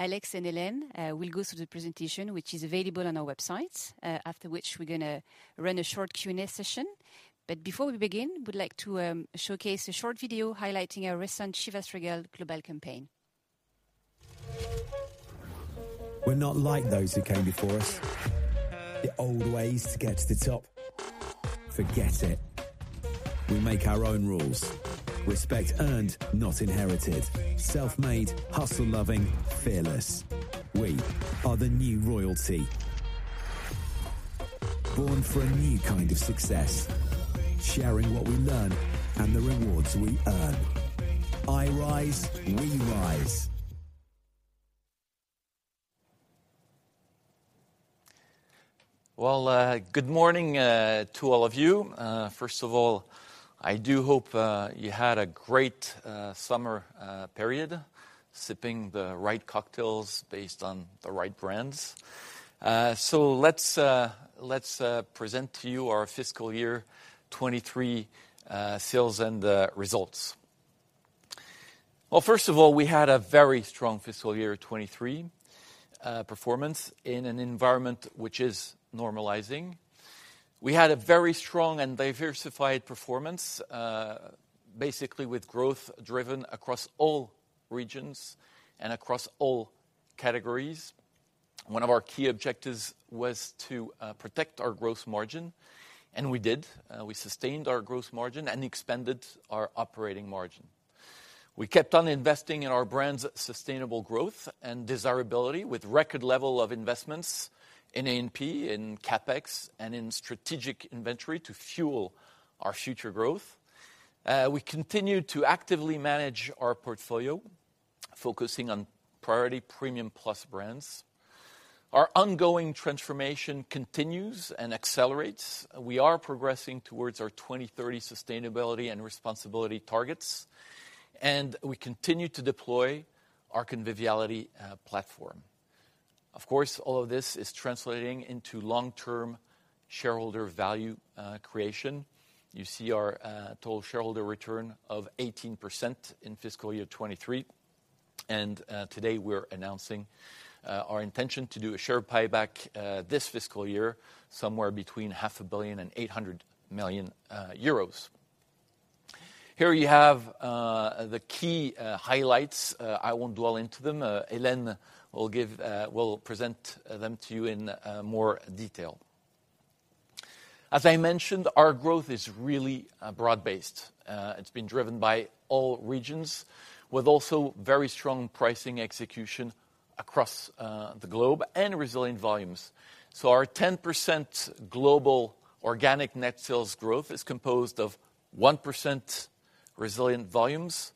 Alex and Hélène will go through the presentation, which is available on our website, after which we're gonna run a short Q&A session. But before we begin, we'd like to showcase a short video highlighting our recent Chivas Regal global campaign. We're not like those who came before us. The old ways to get to the top, forget it. We make our own rules. Respect earned, not inherited. Self-made, hustle-loving, fearless. We are the new royalty. Born for a new kind of success, sharing what we learn and the rewards we earn. I rise, we rise. Well, good morning, to all of you. First of all, I do hope you had a great summer period, sipping the right cocktails based on the right brands. So let's present to you our fiscal year 2023 sales and results. Well, first of all, we had a very strong fiscal year 2023 performance, in an environment which is normalizing. We had a very strong and diversified performance, basically with growth driven across all regions and across all categories. One of our key objectives was to protect our gross margin, and we did. We sustained our gross margin and expanded our operating margin. We kept on investing in our brands' sustainable growth and desirability, with record level of investments in A&P, in CapEx, and in strategic inventory to fuel our future growth. We continued to actively manage our portfolio, focusing on priority premium plus brands. Our ongoing transformation continues and accelerates. We are progressing towards our 2030 sustainability and responsibility targets, and we continue to deploy our Conviviality Platform. Of course, all of this is translating into long-term shareholder value creation. You see our total shareholder return of 18% in fiscal year 2023, and today we're announcing our intention to do a share buyback this fiscal year, somewhere between 500 million and 800 million euros. Here you have the key highlights. I won't dwell into them. Hélène will present them to you in more detail. As I mentioned, our growth is really broad-based. It's been driven by all regions, with also very strong pricing execution across the globe, and resilient volumes. So our 10% global organic net sales growth is composed of 1% resilient volumes,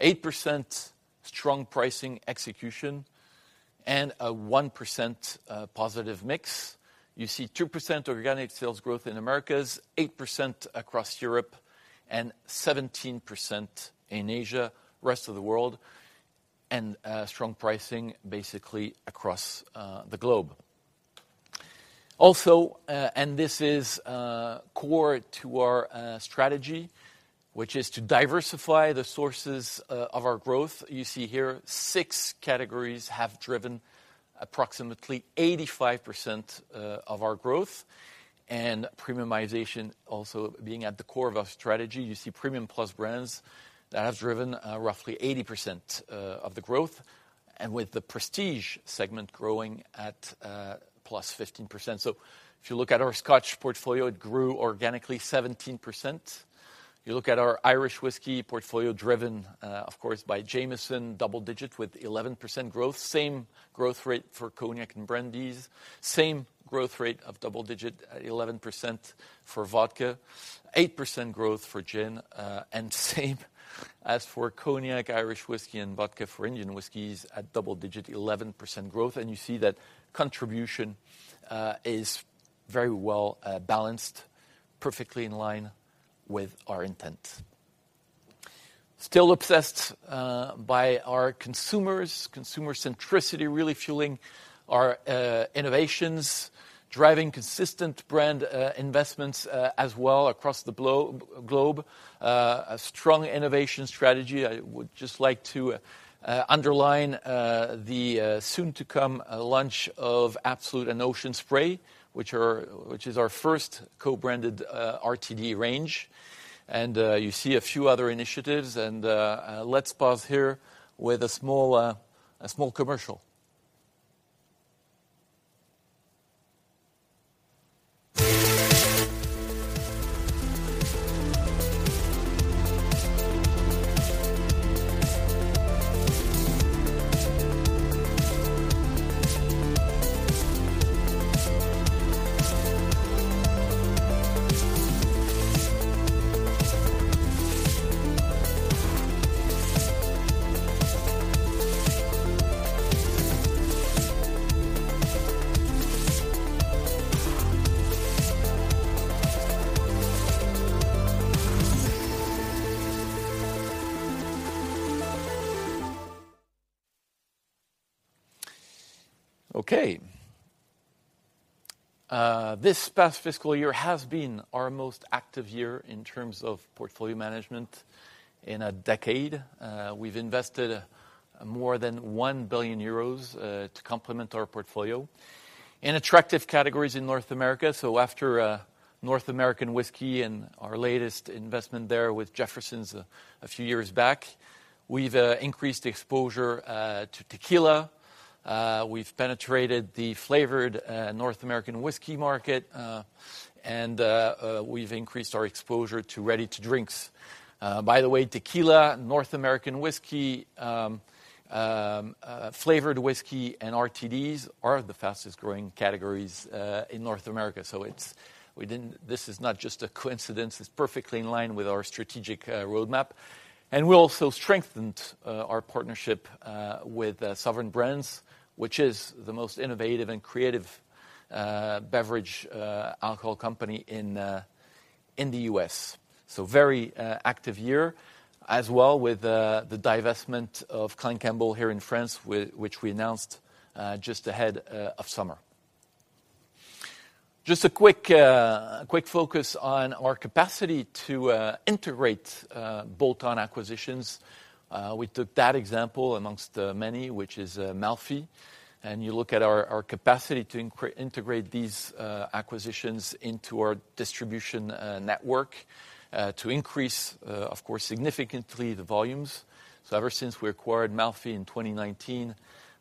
8% strong pricing execution, and a 1% positive mix. You see 2% organic sales growth in Americas, 8% across Europe, and 17% in Asia, rest of the world, and strong pricing basically across the globe. Also, and this is core to our strategy, which is to diversify the sources of our growth. You see here, six categories have driven approximately 85% of our growth, and premiumization also being at the core of our strategy. You see premium plus brands that has driven roughly 80% of the growth, and with the prestige segment growing at +15%. So if you look at our Scotch portfolio, it grew organically 17%. You look at our Irish whiskey portfolio, driven of course by Jameson, double digit with 11% growth. Same growth rate for cognac and brandies, same growth rate of double digit at 11% for vodka, 8% growth for gin, and same as for cognac, Irish whiskey, and vodka for Indian whiskeys at double digit, 11% growth. And you see that contribution is very well balanced, perfectly in line with our intent. Still obsessed by our consumers. Consumer centricity really fueling our innovations, driving consistent brand investments as well across the globe. A strong innovation strategy. I would just like to underline the soon to come launch of Absolut and Ocean Spray, which are-- which is our first co-branded RTD range. You see a few other initiatives, and let's pause here with a small commercial. ... Okay. This past fiscal year has been our most active year in terms of portfolio management in a decade. We've invested more than 1 billion euros to complement our portfolio. In attractive categories in North America, so after North American whiskey and our latest investment there with Jefferson's a few years back, we've increased exposure to tequila. We've penetrated the flavored North American whiskey market, and we've increased our exposure to ready-to-drinks. By the way, tequila, North American whiskey, flavored whiskey, and RTDs are the fastest growing categories in North America. So this is not just a coincidence; it's perfectly in line with our strategic roadmap. And we also strengthened our partnership with Sovereign Brands, which is the most innovative and creative beverage alcohol company in the U.S. So very active year as well with the divestment of Clan Campbell here in France, which we announced just ahead of summer. Just a quick focus on our capacity to integrate bolt-on acquisitions. We took that example amongst many, which is Malfy. You look at our capacity to integrate these acquisitions into our distribution network to increase, of course, significantly the volumes. Ever since we acquired Malfy in 2019,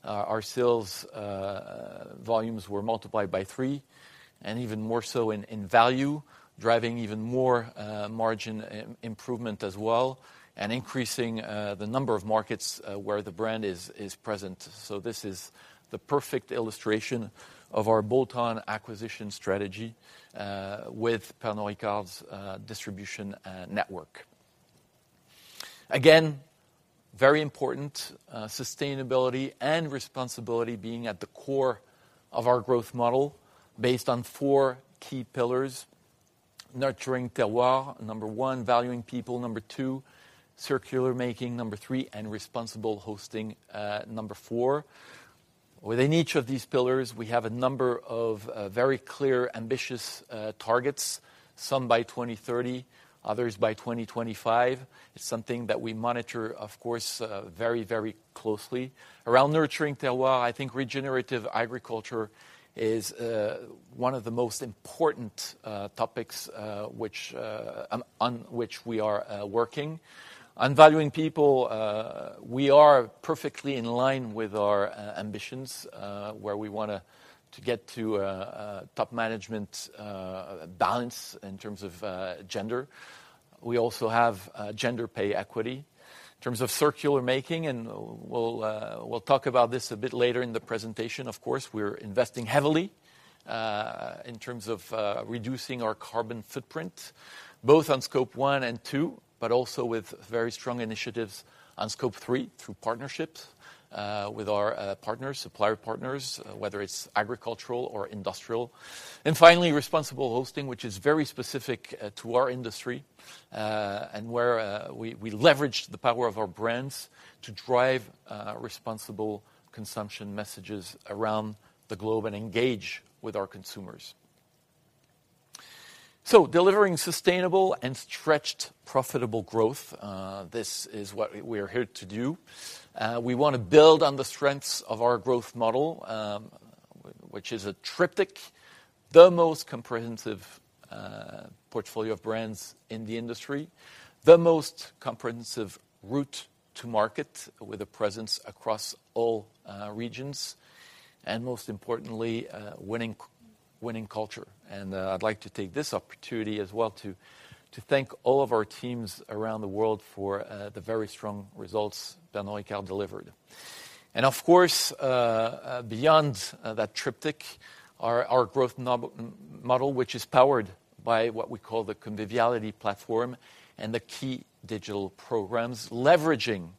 our sales volumes were multiplied by three, and even more so in value, driving even more margin improvement as well, and increasing the number of markets where the brand is present. This is the perfect illustration of our bolt-on acquisition strategy with Pernod Ricard's distribution network. Again, very important, sustainability and responsibility being at the core of our growth model, based on four key pillars: Nurturing Terroir, number one, Valuing People, number two, Circular Making, number three, and Responsible Hosting, number four. Within each of these pillars, we have a number of very clear, ambitious targets, some by 2030, others by 2025. It's something that we monitor, of course, very, very closely. Around Nurturing Terroir, I think regenerative agriculture is one of the most important topics, which on which we are working. On Valuing People, we are perfectly in line with our ambitions, where we wanna to get to a top management balance in terms of gender. We also have gender pay equity. In terms of circular making, and we'll, we'll talk about this a bit later in the presentation, of course, we're investing heavily, in terms of, reducing our carbon footprint, both on Scope 1 and 2, but also with very strong initiatives on Scope 3, through partnerships, with our, partners, supplier partners, whether it's agricultural or industrial. And finally, responsible hosting, which is very specific, to our industry, and where, we, we leverage the power of our brands to drive, responsible consumption messages around the globe and engage with our consumers. So delivering sustainable and stretched profitable growth, this is what we are here to do. We wanna build on the strengths of our growth model, which is a Triptych, the most comprehensive portfolio of brands in the industry, the most comprehensive route to market with a presence across all regions, and most importantly, winning, winning culture. I'd like to take this opportunity as well to thank all of our teams around the world for the very strong results Pernod Ricard delivered. Of course, beyond that Triptych, our growth model, which is powered by what we call the Conviviality Platform and the key digital programs, leveraging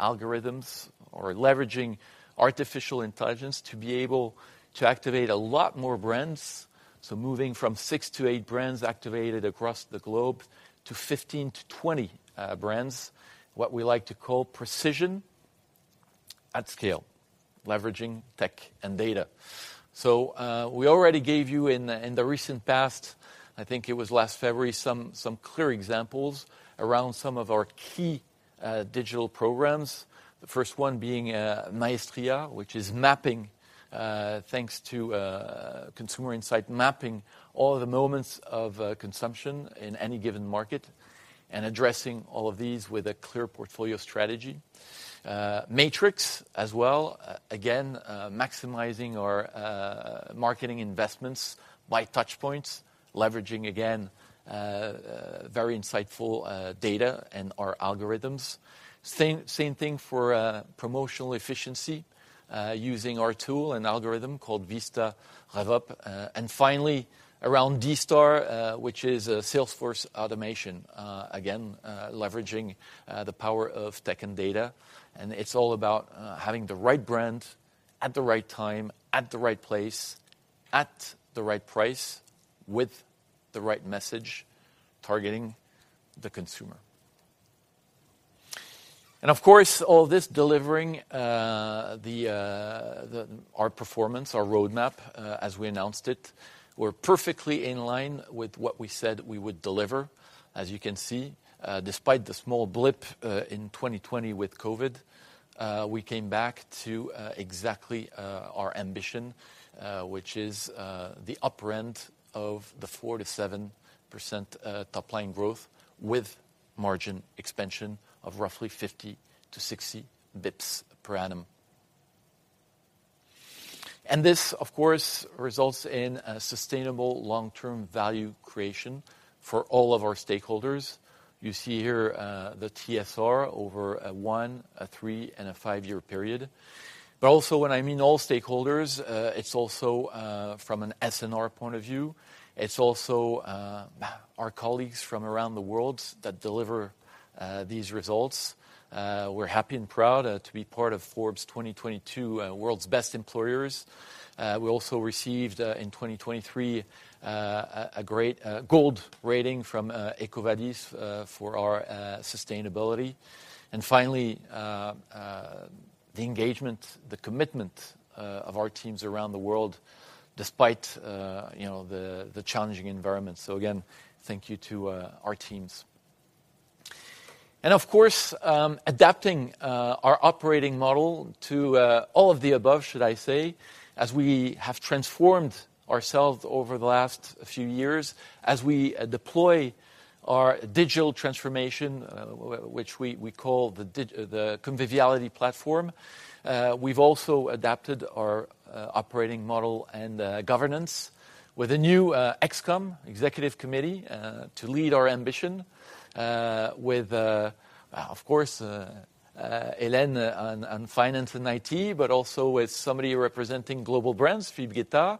algorithms or leveraging artificial intelligence to be able to activate a lot more brands. So moving from six-eight brands activated across the globe, to 15-20 brands, what we like to call precision at scale, leveraging tech and data. So, we already gave you in the recent past, I think it was last February, some clear examples around some of our key digital programs. The first one being Maestria, which is mapping, thanks to consumer insight, mapping all the moments of consumption in any given market and addressing all of these with a clear portfolio strategy. Matrix as well, again, maximizing our marketing investments by touch points, leveraging, again, very insightful data and our algorithms. Same thing for promotional efficiency, using our tool and algorithm called Vista RevUp. And finally, around D-Star, which is a sales force automation, again, leveraging the power of tech and data. It's all about having the right brand at the right time, at the right place, at the right price, with the right message, targeting the consumer. And of course, all this delivering our performance, our roadmap, as we announced it, we're perfectly in line with what we said we would deliver. As you can see, despite the small blip in 2020 with COVID, we came back to exactly our ambition, which is the upper end of the 4%-7% top line growth, with margin expansion of roughly 50-60 basis points per annum. And this, of course, results in a sustainable long-term value creation for all of our stakeholders. You see here the TSR over a one-, a three-, and a five-year period. But also, when I mean all stakeholders, it's also, from an S&R point of view. It's also, our colleagues from around the world that deliver, these results. We're happy and proud, to be part of Forbes 2022, World's Best Employers. We also received, in 2023, a, a great, gold rating from, EcoVadis, for our, sustainability. And finally, the engagement, the commitment, of our teams around the world, despite, you know, the, the challenging environment. So again, thank you to, our teams. And of course, adapting, our operating model to, all of the above, should I say, as we have transformed ourselves over the last few years, as we, deploy our digital transformation, which we, we call the dig- the Conviviality Platform. We've also adapted our operating model and governance with a new ExCom, Executive Committee, to lead our ambition, with, of course, Hélène on finance and IT, but also with somebody representing global brands, Philippe Guettat.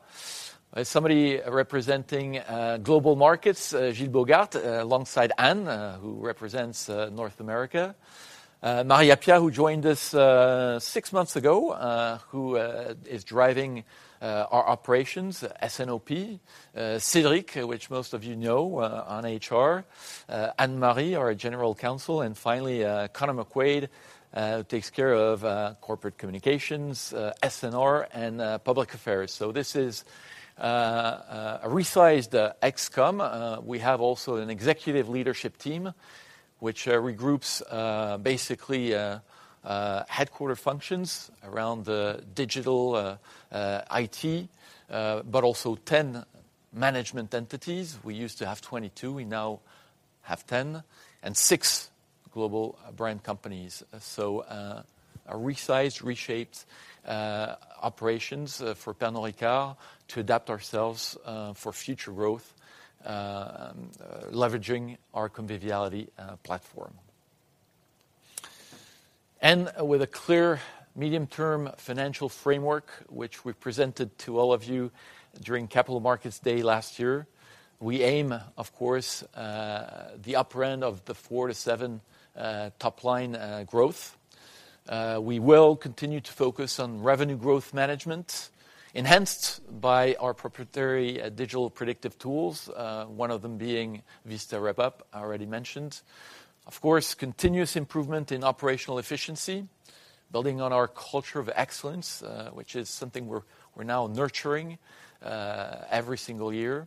Somebody representing global markets, Gilles Bogaert, alongside Ann, who represents North America. Maria Pia, who joined us six months ago, who is driving our operations, S&OP. Cédric, which most of you know, on HR, Anne-Marie, our general counsel, and finally, Conor McQuaid, takes care of corporate communications, S&R and public affairs. So this is a resized ExCom. We have also an executive leadership team, which regroups basically headquarter functions around the digital IT, but also 10 management entities. We used to have 22, we now have 10, and six global brand companies. So, a resized, reshaped operations for Pernod Ricard to adapt ourselves for future growth, leveraging our Conviviality Platform. And with a clear medium-term financial framework, which we presented to all of you during Capital Markets Day last year, we aim, of course, the upper end of the four-seven top line growth. We will continue to focus on revenue growth management, enhanced by our proprietary digital predictive tools, one of them being Vista RevUp, I already mentioned. Of course, continuous improvement in operational efficiency, building on our culture of excellence, which is something we're, we're now nurturing every single year.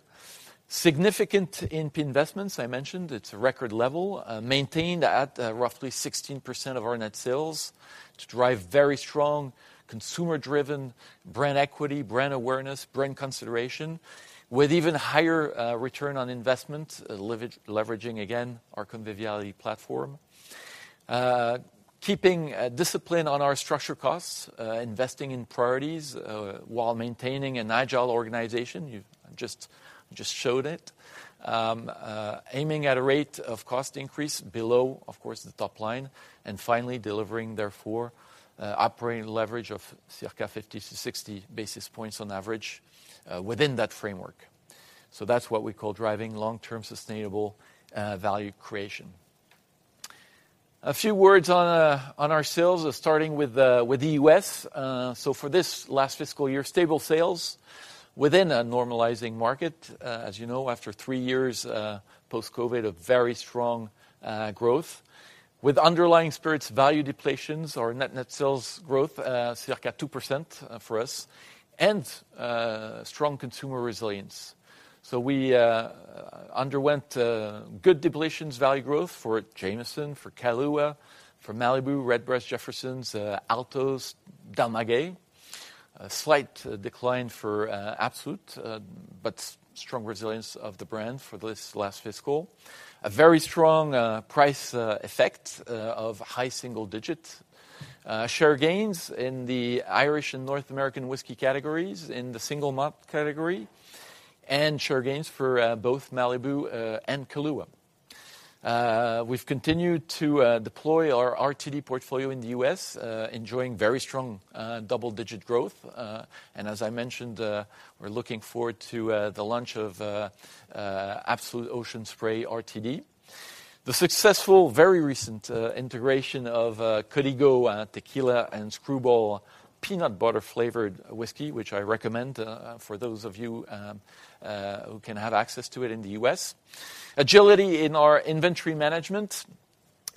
Significant investments, I mentioned, it's a record level, maintained at roughly 16% of our net sales, to drive very strong consumer-driven brand equity, brand awareness, brand consideration, with even higher return on investment, leveraging, again, our Conviviality Platform. Keeping discipline on our structure costs, investing in priorities, while maintaining an agile organization, you've just, just showed it. Aiming at a rate of cost increase below, of course, the top line, and finally, delivering therefore operating leverage of circa 50-60 basis points on average, within that framework. So that's what we call driving long-term sustainable value creation. A few words on our sales, starting with the U.S. So for this last fiscal year, stable sales within a normalizing market. As you know, after three years post-COVID, a very strong growth. With underlying spirits value depletions or net, net sales growth circa 2% for us, and strong consumer resilience. So we underwent good depletions value growth for Jameson, for Kahlúa, for Malibu, Redbreast, Jefferson's, Altos, Del Maguey. A slight decline for Absolut, but strong resilience of the brand for this last fiscal. A very strong price effect of high single digits. Share gains in the Irish and North American whiskey categories, in the single malt category, and share gains for both Malibu and Kahlúa. We've continued to deploy our RTD portfolio in the U.S., enjoying very strong double-digit growth. And as I mentioned, we're looking forward to the launch of Absolut Ocean Spray RTD. The successful, very recent integration of Código tequila and Skrewball peanut butter flavored whiskey, which I recommend for those of you who can have access to it in the U.S. Agility in our inventory management.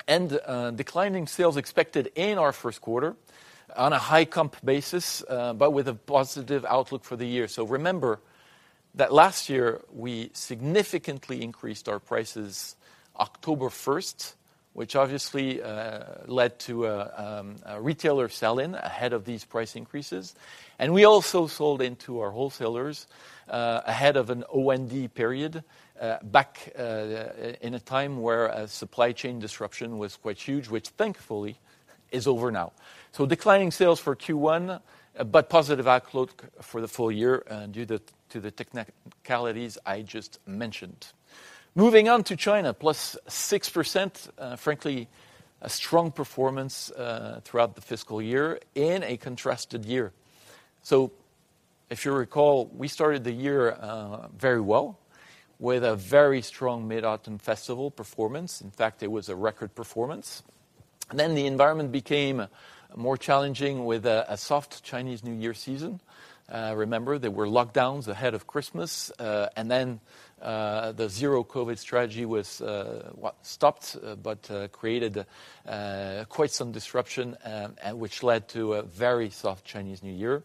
Declining sales expected in our first quarter on a high comp basis, but with a positive outlook for the year. So remember that last year, we significantly increased our prices October 1st, which obviously led to a retailer sell-in ahead of these price increases. And we also sold into our wholesalers ahead of an OND period back in a time where a supply chain disruption was quite huge, which thankfully is over now. So declining sales for Q1, but positive outlook for the full year due to the technicalities I just mentioned. Moving on to China, +6%. Frankly, a strong performance throughout the fiscal year in a contrasted year. So if you recall, we started the year very well with a very strong Mid-Autumn Festival performance. In fact, it was a record performance. Then the environment became more challenging with a soft Chinese New Year season. Remember, there were lockdowns ahead of Christmas, and then the Zero-COVID strategy was well stopped, but created quite some disruption, and which led to a very soft Chinese New Year.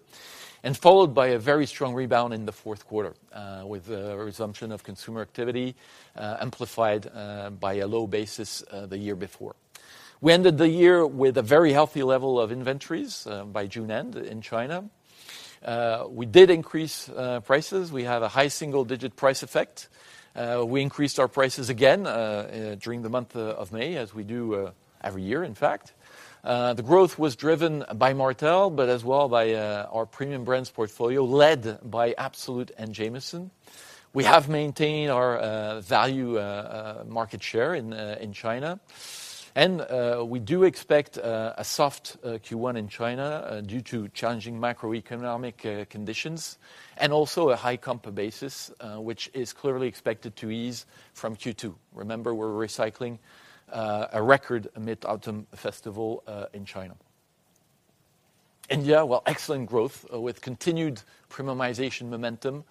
Followed by a very strong rebound in the fourth quarter, with a resumption of consumer activity, amplified by a low basis the year before. We ended the year with a very healthy level of inventories by June end in China. We did increase prices. We had a high single-digit price effect. We increased our prices again during the month of May, as we do every year, in fact. The growth was driven by Martell, but as well by our premium brands portfolio, led by Absolut and Jameson. We have maintained our value market share in China. We do expect a soft Q1 in China due to challenging macroeconomic conditions, and also a high comp basis, which is clearly expected to ease from Q2. Remember, we're recycling a record Mid-Autumn Festival in China. India, well, excellent growth with continued premiumization momentum.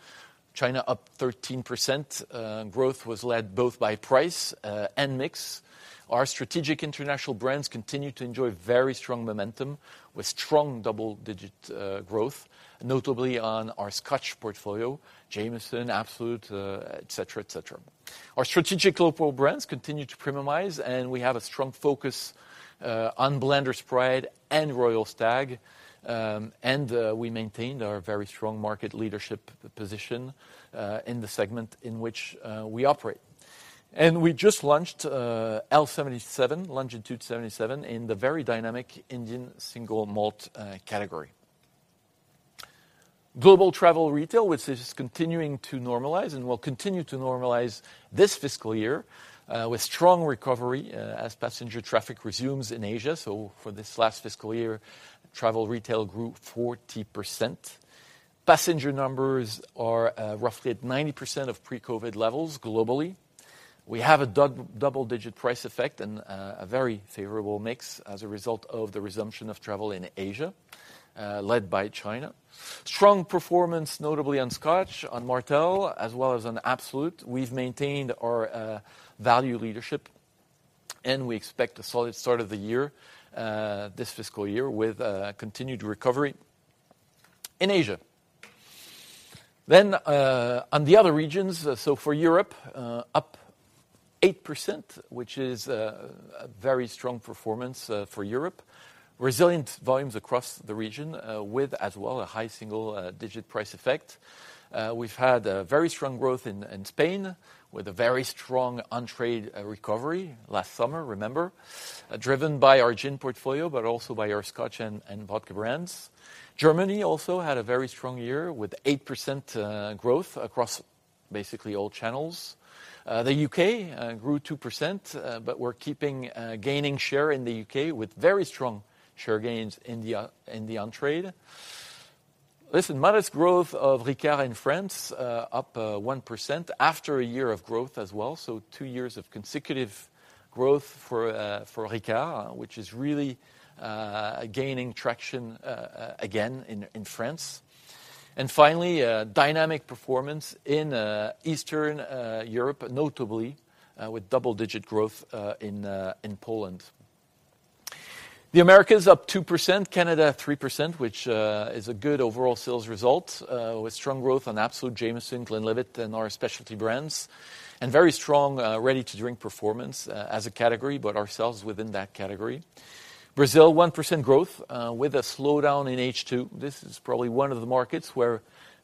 China, up 13%. Growth was led both by price and mix. Our strategic international brands continue to enjoy very strong momentum with strong double-digit growth, notably on our Scotch portfolio, Jameson, Absolut, et cetera, et cetera. Our strategic local brands continue to premiumize, and we have a strong focus on Blenders Pride and Royal Stag, and we maintained our very strong market leadership position in the segment in which we operate. And we just launched Longitude 77 in the very dynamic Indian single malt category. Global travel retail, which is continuing to normalize and will continue to normalize this fiscal year, with strong recovery as passenger traffic resumes in Asia. So for this last fiscal year, travel retail grew 40%. Passenger numbers are roughly at 90% of pre-COVID levels globally. We have a double-digit price effect and a very favorable mix as a result of the resumption of travel in Asia, led by China. Strong performance, notably on Scotch, on Martell, as well as on Absolut. We've maintained our value leadership, and we expect a solid start of the year, this fiscal year, with continued recovery in Asia. Then, on the other regions, so for Europe, up 8%, which is a very strong performance for Europe. Resilient volumes across the region, with as well, a high single-digit price effect. We've had a very strong growth in Spain, with a very strong on-trade recovery last summer, remember, driven by our gin portfolio, but also by our Scotch and vodka brands. Germany also had a very strong year, with 8% growth across basically all channels. The U.K. grew 2%, but we're keeping gaining share in the U.K. with very strong share gains in the on-trade. Listen, modest growth of Ricard in France, up 1% after a year of growth as well. So two years of consecutive growth for Ricard, which is really gaining traction again in France. And finally, a dynamic performance in Eastern Europe, notably with double-digit growth in Poland. The Americas, up 2%; Canada, 3%, which is a good overall sales result, with strong growth on Absolut, Jameson, Glenlivet, and our specialty brands, and very strong ready-to-drink performance as a category, but ourselves within that category. Brazil, 1% growth, with a slowdown in H2. This is probably one of the markets where,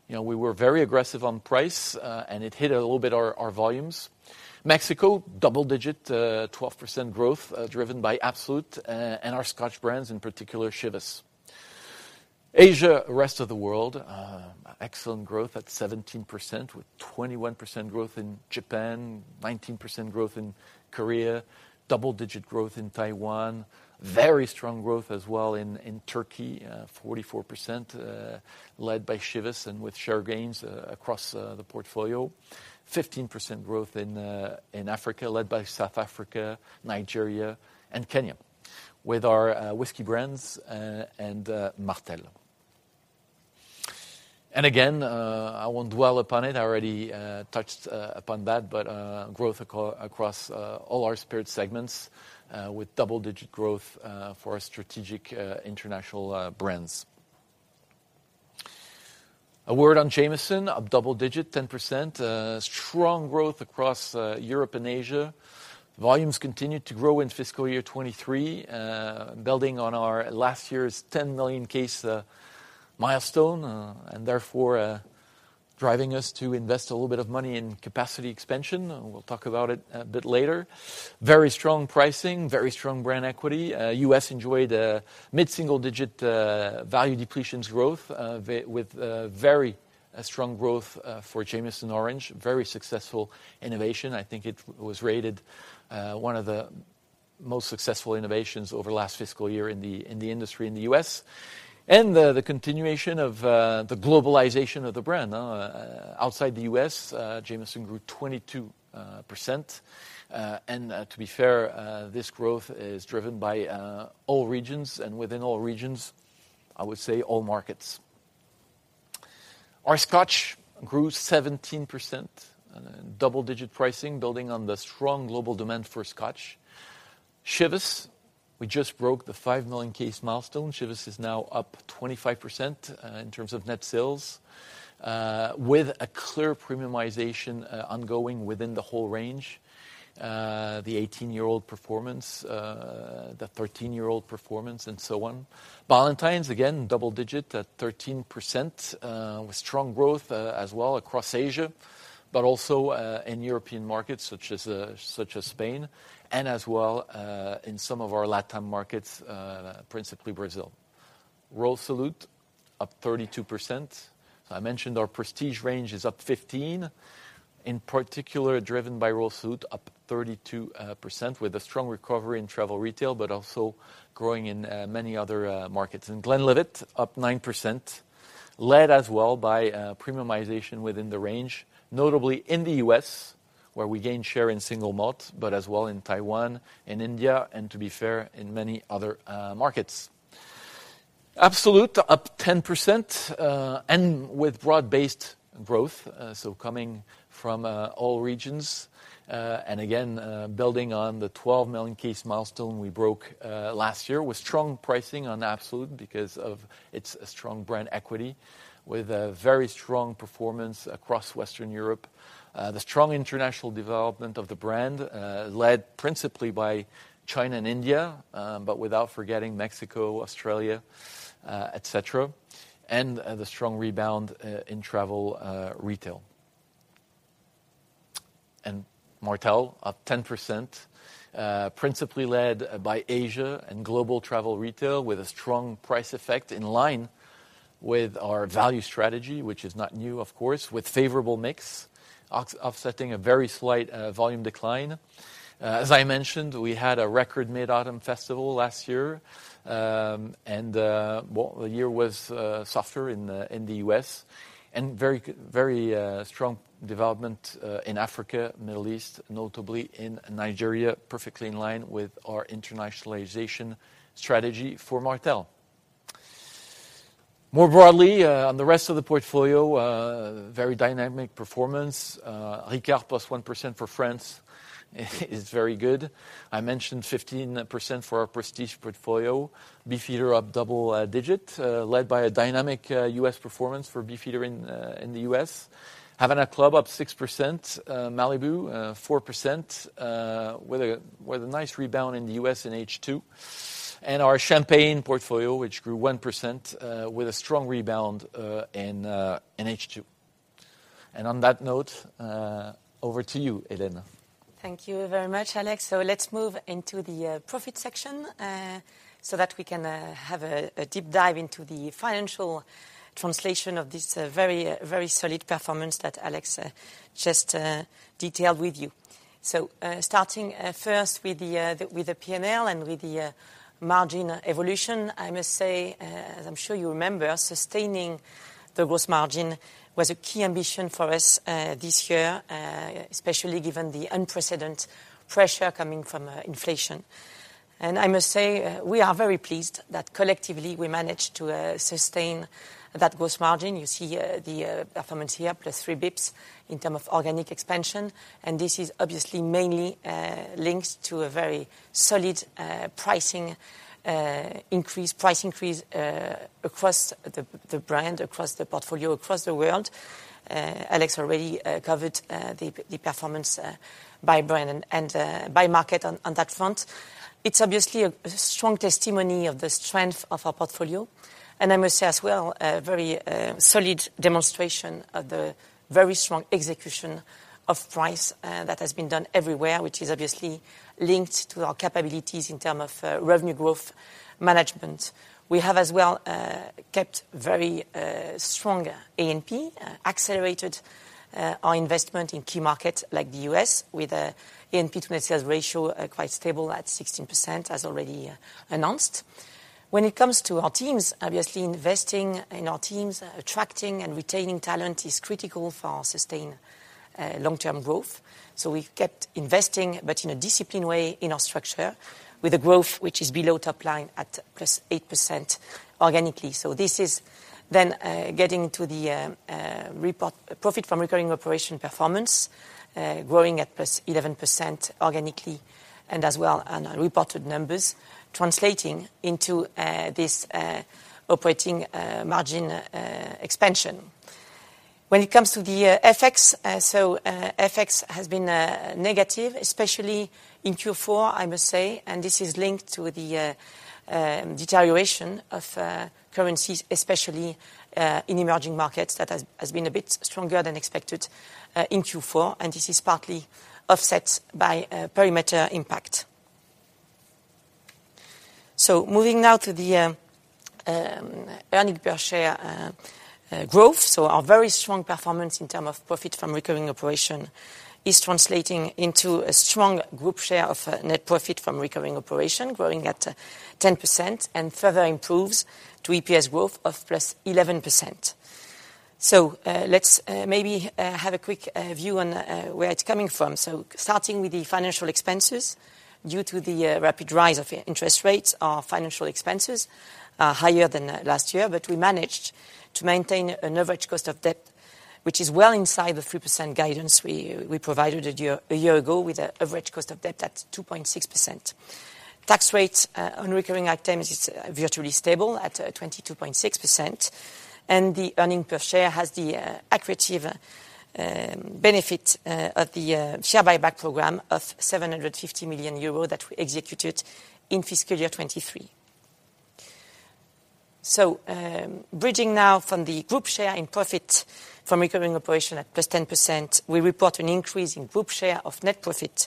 you know, we were very aggressive on price, and it hit a little bit our volumes. Mexico, double-digit 12% growth, driven by Absolut and our Scotch brands, in particular, Chivas. Asia, rest of the world, excellent growth at 17%, with 21% growth in Japan, 19% growth in Korea, double-digit growth in Taiwan. Very strong growth as well in Turkey, 44%, led by Chivas and with share gains across the portfolio. 15% growth in Africa, led by South Africa, Nigeria, and Kenya, with our whiskey brands and Martell. And again, I won't dwell upon it. I already touched upon that, but growth across all our spirit segments, with double-digit growth for our strategic international brands. A word on Jameson, up double-digit, 10%. Strong growth across Europe and Asia. Volumes continued to grow in fiscal year 2023, building on our last year's 10 million case milestone, and therefore, driving us to invest a little bit of money in capacity expansion, and we'll talk about it a bit later. Very strong pricing, very strong brand equity. U.S. enjoyed a mid-single-digit value depletions growth, with very strong growth for Jameson Orange. Very successful innovation. I think it was rated one of the most successful innovations over the last fiscal year in the industry in the U.S. The continuation of the globalization of the brand. Outside the U.S., Jameson grew 22%. To be fair, this growth is driven by all regions, and within all regions, I would say all markets. Our Scotch grew 17%. Double-digit pricing, building on the strong global demand for Scotch. Chivas, we just broke the 5 million case milestone. Chivas is now up 25% in terms of net sales, with a clear premiumization ongoing within the whole range. The 18-year-old performance, the 13-year-old performance, and so on. Ballantine's, again, double-digit at 13%, with strong growth as well across Asia, but also in European markets, such as Spain, and as well in some of our LatAm markets, principally Brazil. Royal Salute, up 32%. I mentioned our prestige range is up 15, in particular, driven by Royal Salute, up 32%, with a strong recovery in travel retail, but also growing in many other markets. And Glenlivet, up 9%, led as well by premiumization within the range, notably in the U.S., where we gained share in single malt, but as well in Taiwan and India, and to be fair, in many other markets. Absolut up 10%, and with broad-based growth, so coming from all regions, and again, building on the 12 million case milestone we broke last year, with strong pricing on Absolut because of its strong brand equity, with a very strong performance across Western Europe. The strong international development of the brand, led principally by China and India, but without forgetting Mexico, Australia, et cetera, and the strong rebound in travel retail. And Martell, up 10%, principally led by Asia and global travel retail, with a strong price effect in line with our value strategy, which is not new, of course, with favorable mix, offsetting a very slight volume decline. As I mentioned, we had a record Mid-Autumn Festival last year. Well, the year was softer in the U.S., and very strong development in Africa, Middle East, notably in Nigeria, perfectly in line with our internationalization strategy for Martell. More broadly, on the rest of the portfolio, very dynamic performance. Ricard plus 1% for France is very good. I mentioned 15% for our prestige portfolio. Beefeater up double-digit, led by a dynamic U.S. performance for Beefeater in the U.S. Havana Club up 6%, Malibu 4%, with a nice rebound in the U.S. in H2. And our Champagne portfolio, which grew 1%, with a strong rebound in H2. And on that note, over to you, Hélène. Thank you very much, Alex. So let's move into the profit section, so that we can have a deep dive into the financial translation of this very, very solid performance that Alex just detailed with you. So, starting first with the PNL and with the margin evolution, I must say, as I'm sure you remember, sustaining the gross margin was a key ambition for us this year, especially given the unprecedented pressure coming from inflation. And I must say, we are very pleased that collectively we managed to sustain that gross margin. You see, the performance here, +3 basis points in terms of organic expansion, and this is obviously mainly linked to a very solid pricing increase, price increase across the brand, across the portfolio, across the world. Alex already covered the performance by brand and by market on that front. It's obviously a strong testimony of the strength of our portfolio, and I must say as well, a very solid demonstration of the very strong execution of price that has been done everywhere, which is obviously linked to our capabilities in terms of revenue growth management. We have as well kept very strong A&P, accelerated our investment in key markets like the U.S., and the A&P to net sales ratio is quite stable at 16%, as already announced. When it comes to our teams, obviously, investing in our teams, attracting and retaining talent is critical for our sustained, long-term growth. So we've kept investing, but in a disciplined way in our structure, with a growth which is below top line at +8% organically. So this is then, getting to the reported profit from recurring operations performance, growing at +11% organically, and as well on our reported numbers, translating into this operating margin expansion. When it comes to the FX, so FX has been negative, especially in Q4, I must say, and this is linked to the deterioration of currencies, especially in emerging markets, that has been a bit stronger than expected in Q4, and this is partly offset by a perimeter impact. So moving now to the earnings per share growth. So our very strong performance in terms of profit from recurring operations is translating into a strong Group share of Net Profit from recurring operations, growing at 10% and further improves to EPS growth of +11%. So let's maybe have a quick view on where it's coming from. So starting with the financial expenses, due to the rapid rise in interest rates, our financial expenses are higher than last year, but we managed to maintain an average cost of debt, which is well inside the 3% guidance we provided a year ago, with an average cost of debt at 2.6%. Tax rate on recurring items is virtually stable at 22.6%, and the earnings per share has the accretive benefit of the share buyback program of 750 million euros that we executed in fiscal year 2023. So, bridging now from the group share in profit from recurring operations at +10%, we report an increase in Group share of Net Profit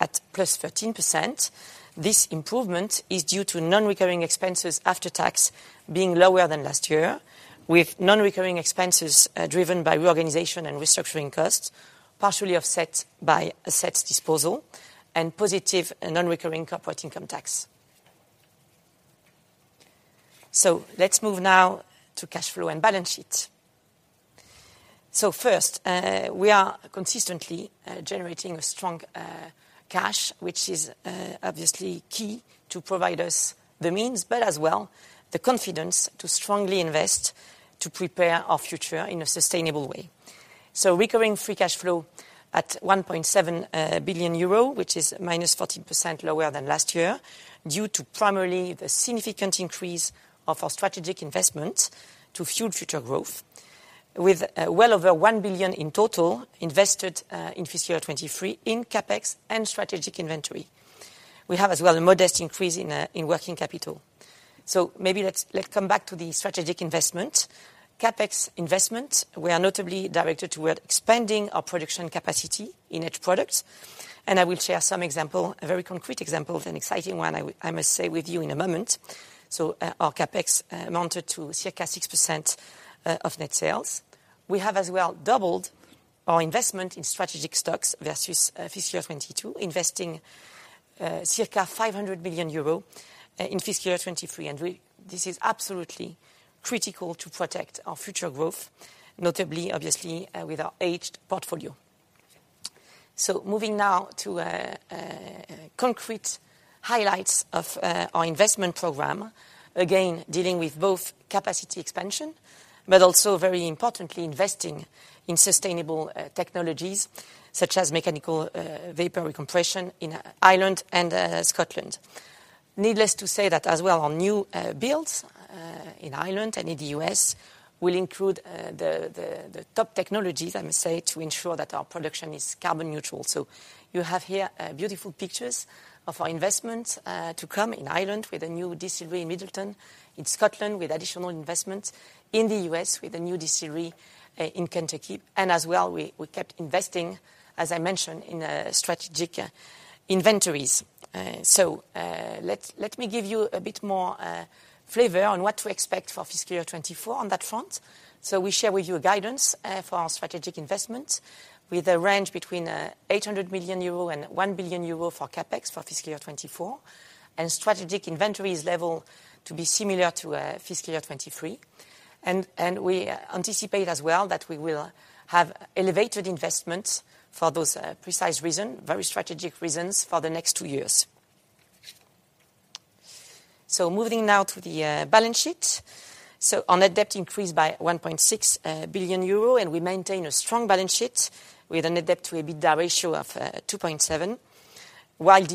at +13%. This improvement is due to non-recurring expenses after tax being lower than last year, with non-recurring expenses driven by reorganization and restructuring costs, partially offset by assets disposal and positive and non-recurring corporate income tax. So let's move now to cash flow and balance sheet. First, we are consistently generating a strong cash, which is obviously key to provide us the means, but as well, the confidence to strongly invest to prepare our future in a sustainable way. Recurring free cash flow at 1.7 billion euro, which is -14% lower than last year, due to primarily the significant increase of our strategic investment to fuel future growth, with well over 1 billion in total invested in fiscal year 2023 in CapEx and strategic inventory. We have as well a modest increase in working capital. So maybe let's come back to the strategic investment. CapEx investment, we are notably directed toward expanding our production capacity in each product, and I will share some example, a very concrete example of an exciting one, I must say with you in a moment. So, our CapEx amounted to circa 6% of net sales. We have as well, doubled our investment in strategic stocks versus fiscal year 2022, investing circa 500 million euro in fiscal year 2023, and we, this is absolutely critical to protect our future growth, notably, obviously, with our aged portfolio. So moving now to concrete highlights of our investment program. Again, dealing with both capacity expansion, but also very importantly, investing in sustainable technologies such as mechanical vapor recompression in Ireland and Scotland. Needless to say that, as well, our new builds in Ireland and in the U.S. will include the top technologies, I must say, to ensure that our production is carbon neutral. So you have here beautiful pictures of our investment to come in Ireland with a new distillery in Midleton, in Scotland, with additional investments, in the U.S., with a new distillery in Kentucky. And as well, we kept investing, as I mentioned, in strategic inventories. So let me give you a bit more flavor on what to expect for fiscal year 2024 on that front. We share with you a guidance for our strategic investment with a range between 800 million-1 billion euro for CapEx for fiscal year 2024, and strategic inventories level to be similar to fiscal year 2023. We anticipate as well that we will have elevated investments for those precise reason, very strategic reasons, for the next two years. Moving now to the balance sheet. Our net debt increased by 1.6 billion euro, and we maintain a strong balance sheet with a net debt to EBITDA ratio of 2.7, while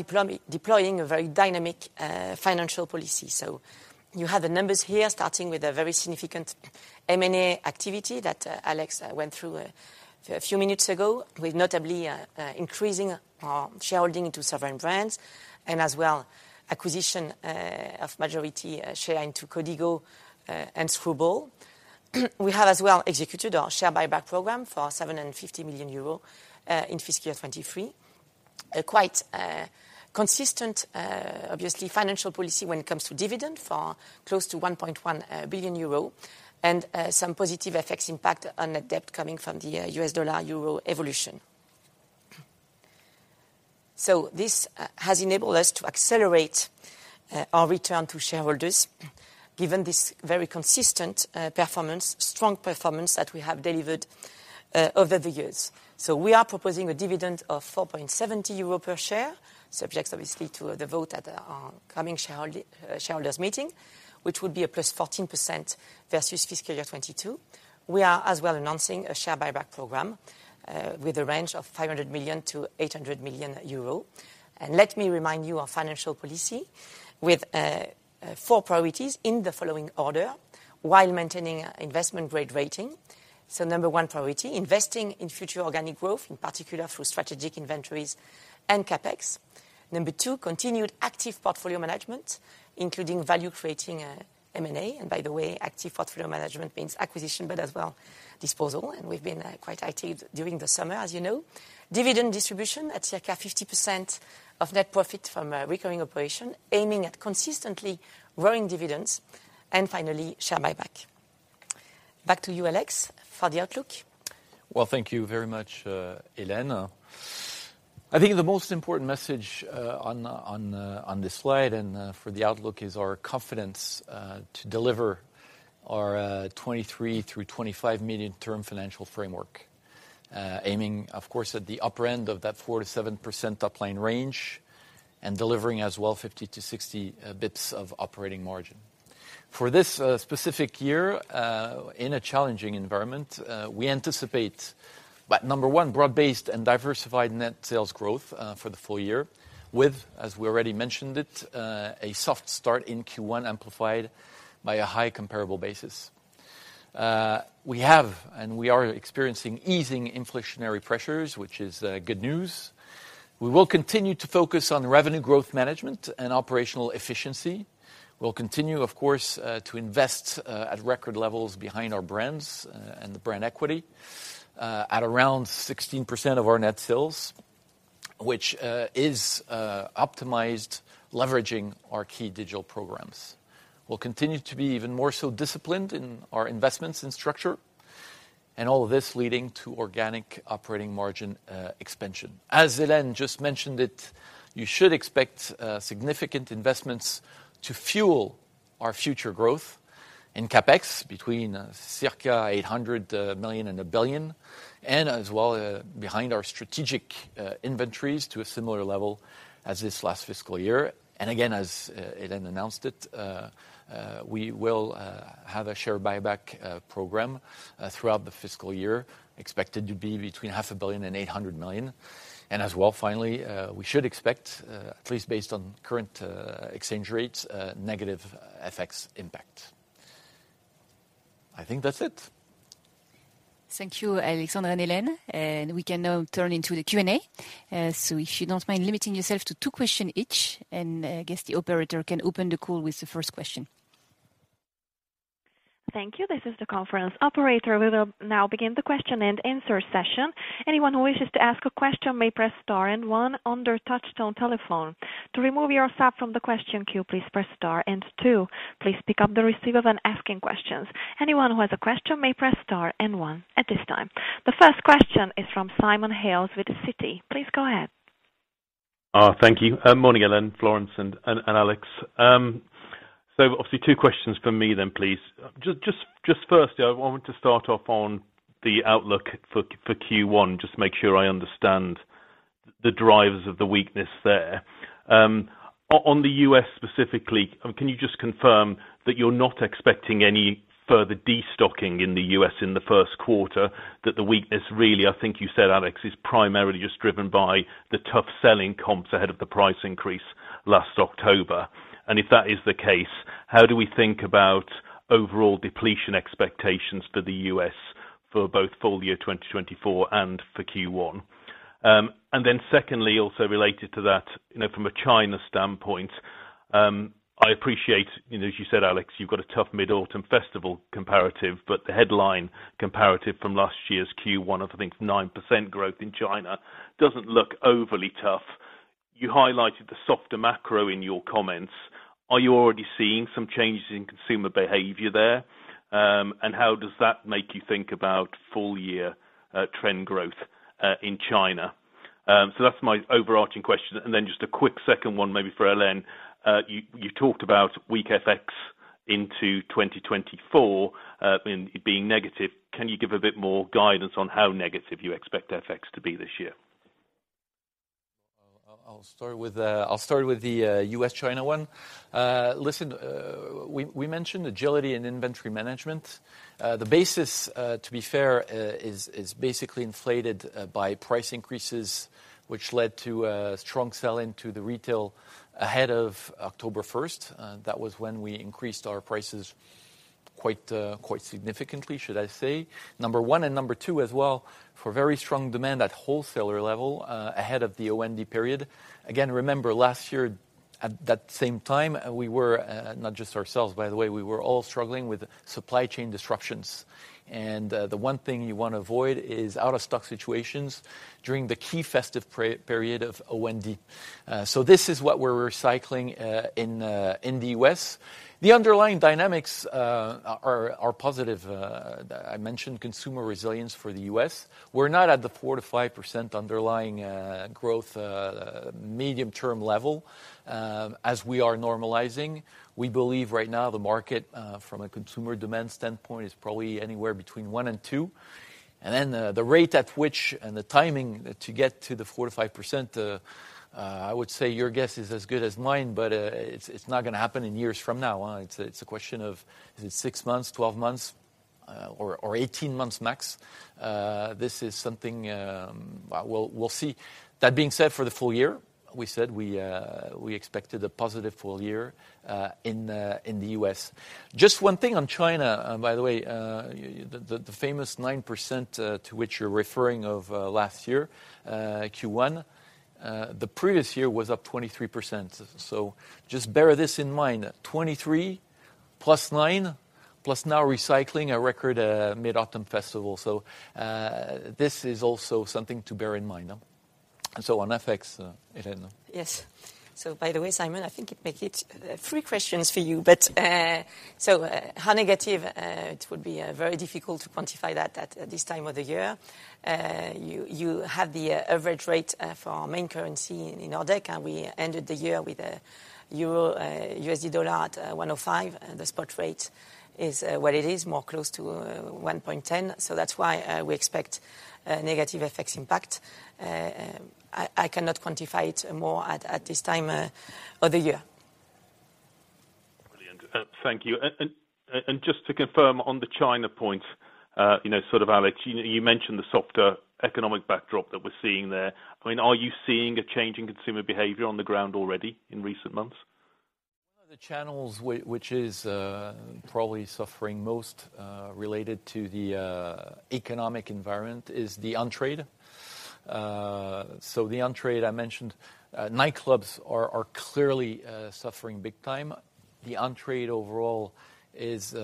deploying a very dynamic financial policy. So you have the numbers here, starting with a very significant M&A activity that, Alex, went through a few minutes ago, with notably, increasing our shareholding into several brands and as well, acquisition of majority share into Código and Screwball. We have as well executed our share buyback program for 750 million euros in fiscal year 2023. A quite consistent, obviously, financial policy when it comes to dividend for close to 1.1 billion euro and some positive effects impact on net debt coming from the U.S. dollar/euro evolution. So this has enabled us to accelerate our return to shareholders, given this very consistent performance, strong performance that we have delivered over the years. So we are proposing a dividend of 4.70 euro per share, subject, obviously, to the vote at the coming shareholder's meeting, which would be a +14% versus fiscal year 2022. We are as well announcing a share buyback program with a range of 500 million-800 million euro. And let me remind you our financial policy with four priorities in the following order, while maintaining investment grade rating. So number one priority, investing in future organic growth, in particular through strategic inventories and CapEx. Number two, continued active portfolio management, including value creating M&A. And by the way, active portfolio management means acquisition, but as well, disposal, and we've been quite active during the summer, as you know. Dividend distribution at circa 50% of net profit from recurring operation, aiming at consistently growing dividends. Finally, share buyback. Back to you, Alex, for the outlook. Well, thank you very much, Hélène. I think the most important message on this slide, and for the outlook, is our confidence to deliver our 2023-2025 medium-term financial framework. Aiming, of course, at the upper end of that 4%-7% top-line range, and delivering as well 50-60 basis points of operating margin. For this specific year, in a challenging environment, we anticipate, but number one, broad-based and diversified net sales growth for the full year, with, as we already mentioned it, a soft start in Q1, amplified by a high comparable basis. We have, and we are experiencing easing inflationary pressures, which is good news. We will continue to focus on revenue growth management and operational efficiency. We'll continue, of course, to invest at record levels behind our brands and the brand equity at around 16% of our net sales, which is optimized, leveraging our key digital programs. We'll continue to be even more so disciplined in our investments and structure, and all of this leading to organic operating margin expansion. As Hélène just mentioned it, you should expect significant investments to fuel our future growth in CapEx between circa 800 million and 1 billion, and as well, behind our strategic inventories to a similar level as this last fiscal year. And again, as Hélène announced it, we will have a share buyback program throughout the fiscal year, expected to be between 500 million and 800 million. And as well, finally, we should expect, at least based on current exchange rates, negative FX impact. I think that's it. Thank you, Alexandre and Hélène, and we can now turn into the Q&A. So if you don't mind limiting yourself to two question each, and I guess the operator can open the call with the first question. Thank you. This is the conference operator. We will now begin the question and answer session. Anyone who wishes to ask a question may press star and one on their touchtone telephone. To remove yourself from the question queue, please press star and two. Please pick up the receiver when asking questions. Anyone who has a question may press star and one at this time. The first question is from Simon Hales with Citi. Please go ahead. Thank you. Morning, Hélène, Florence, and Alex. So obviously, two questions from me then, please. Just firstly, I wanted to start off on the outlook for Q1, just to make sure I understand the drivers of the weakness there. On the U.S.specifically, can you just confirm that you're not expecting any further destocking in the U.S. in the first quarter, that the weakness, really, I think you said, Alex, is primarily just driven by the tough selling comps ahead of the price increase last October? And if that is the case, how do we think about overall depletion expectations for the U.S. for both full year 2024 and for Q1? And then secondly, also related to that, you know, from a China standpoint, I appreciate, you know, as you said, Alex, you've got a tough Mid-Autumn Festival comparative, but the headline comparative from last year's Q1, I think 9% growth in China doesn't look overly tough. You highlighted the softer macro in your comments. Are you already seeing some changes in consumer behavior there? And how does that make you think about full year, trend growth, in China? So that's my overarching question. And then just a quick second one, maybe for Hélène. You talked about weak FX into 2024, and being negative. Can you give a bit more guidance on how negative you expect FX to be this year? I'll start with the U.S./China one. Listen, we mentioned agility and inventory management. The basis, to be fair, is basically inflated by price increases, which led to a strong sell-in to the retail ahead of October 1st. That was when we increased our prices quite significantly, should I say, number one, and number two, as well, for very strong demand at wholesaler level ahead of the OND period. Again, remember, last year at that same time, we were not just ourselves, by the way, we were all struggling with supply chain disruptions. The one thing you want to avoid is out-of-stock situations during the key festive pre-period of OND. So this is what we're recycling in the U.S. The underlying dynamics are positive. I mentioned consumer resilience for the U.S. We're not at the 4%-5% underlying growth medium-term level as we are normalizing. We believe right now the market from a consumer demand standpoint is probably anywhere between 1%-2%. And then the rate at which and the timing to get to the 4%-5% I would say your guess is as good as mine, but it's not gonna happen in years from now, huh? It's a question of, is it six months, 12 months, or 18 months max? This is something, well, we'll see. That being said, for the full year, we said we expected a positive full year in the U.S. Just one thing on China, by the way, the famous 9% to which you're referring of last year Q1 the previous year was up 23%. So just bear this in mind, 23 + 9, plus now recycling a record Mid-Autumn Festival. So this is also something to bear in mind, huh? And so on effects, Hélène. Yes. So by the way, Simon, I think it make it three questions for you. But so how negative? It would be very difficult to quantify that at this time of the year. You have the average rate for our main currency in our deck, and we ended the year with EUR/USD at 1.05, and the spot rate is well, it is more close to 1.10. So that's why we expect negative effects impact. I cannot quantify it more at this time of the year. Brilliant. Thank you. And just to confirm on the China point, you know, sort of, Alex, you mentioned the softer economic backdrop that we're seeing there. I mean, are you seeing a change in consumer behavior on the ground already in recent months? The channels which is probably suffering most related to the economic environment is the on-trade. So the on-trade, I mentioned, nightclubs are clearly suffering big time. The on-trade overall is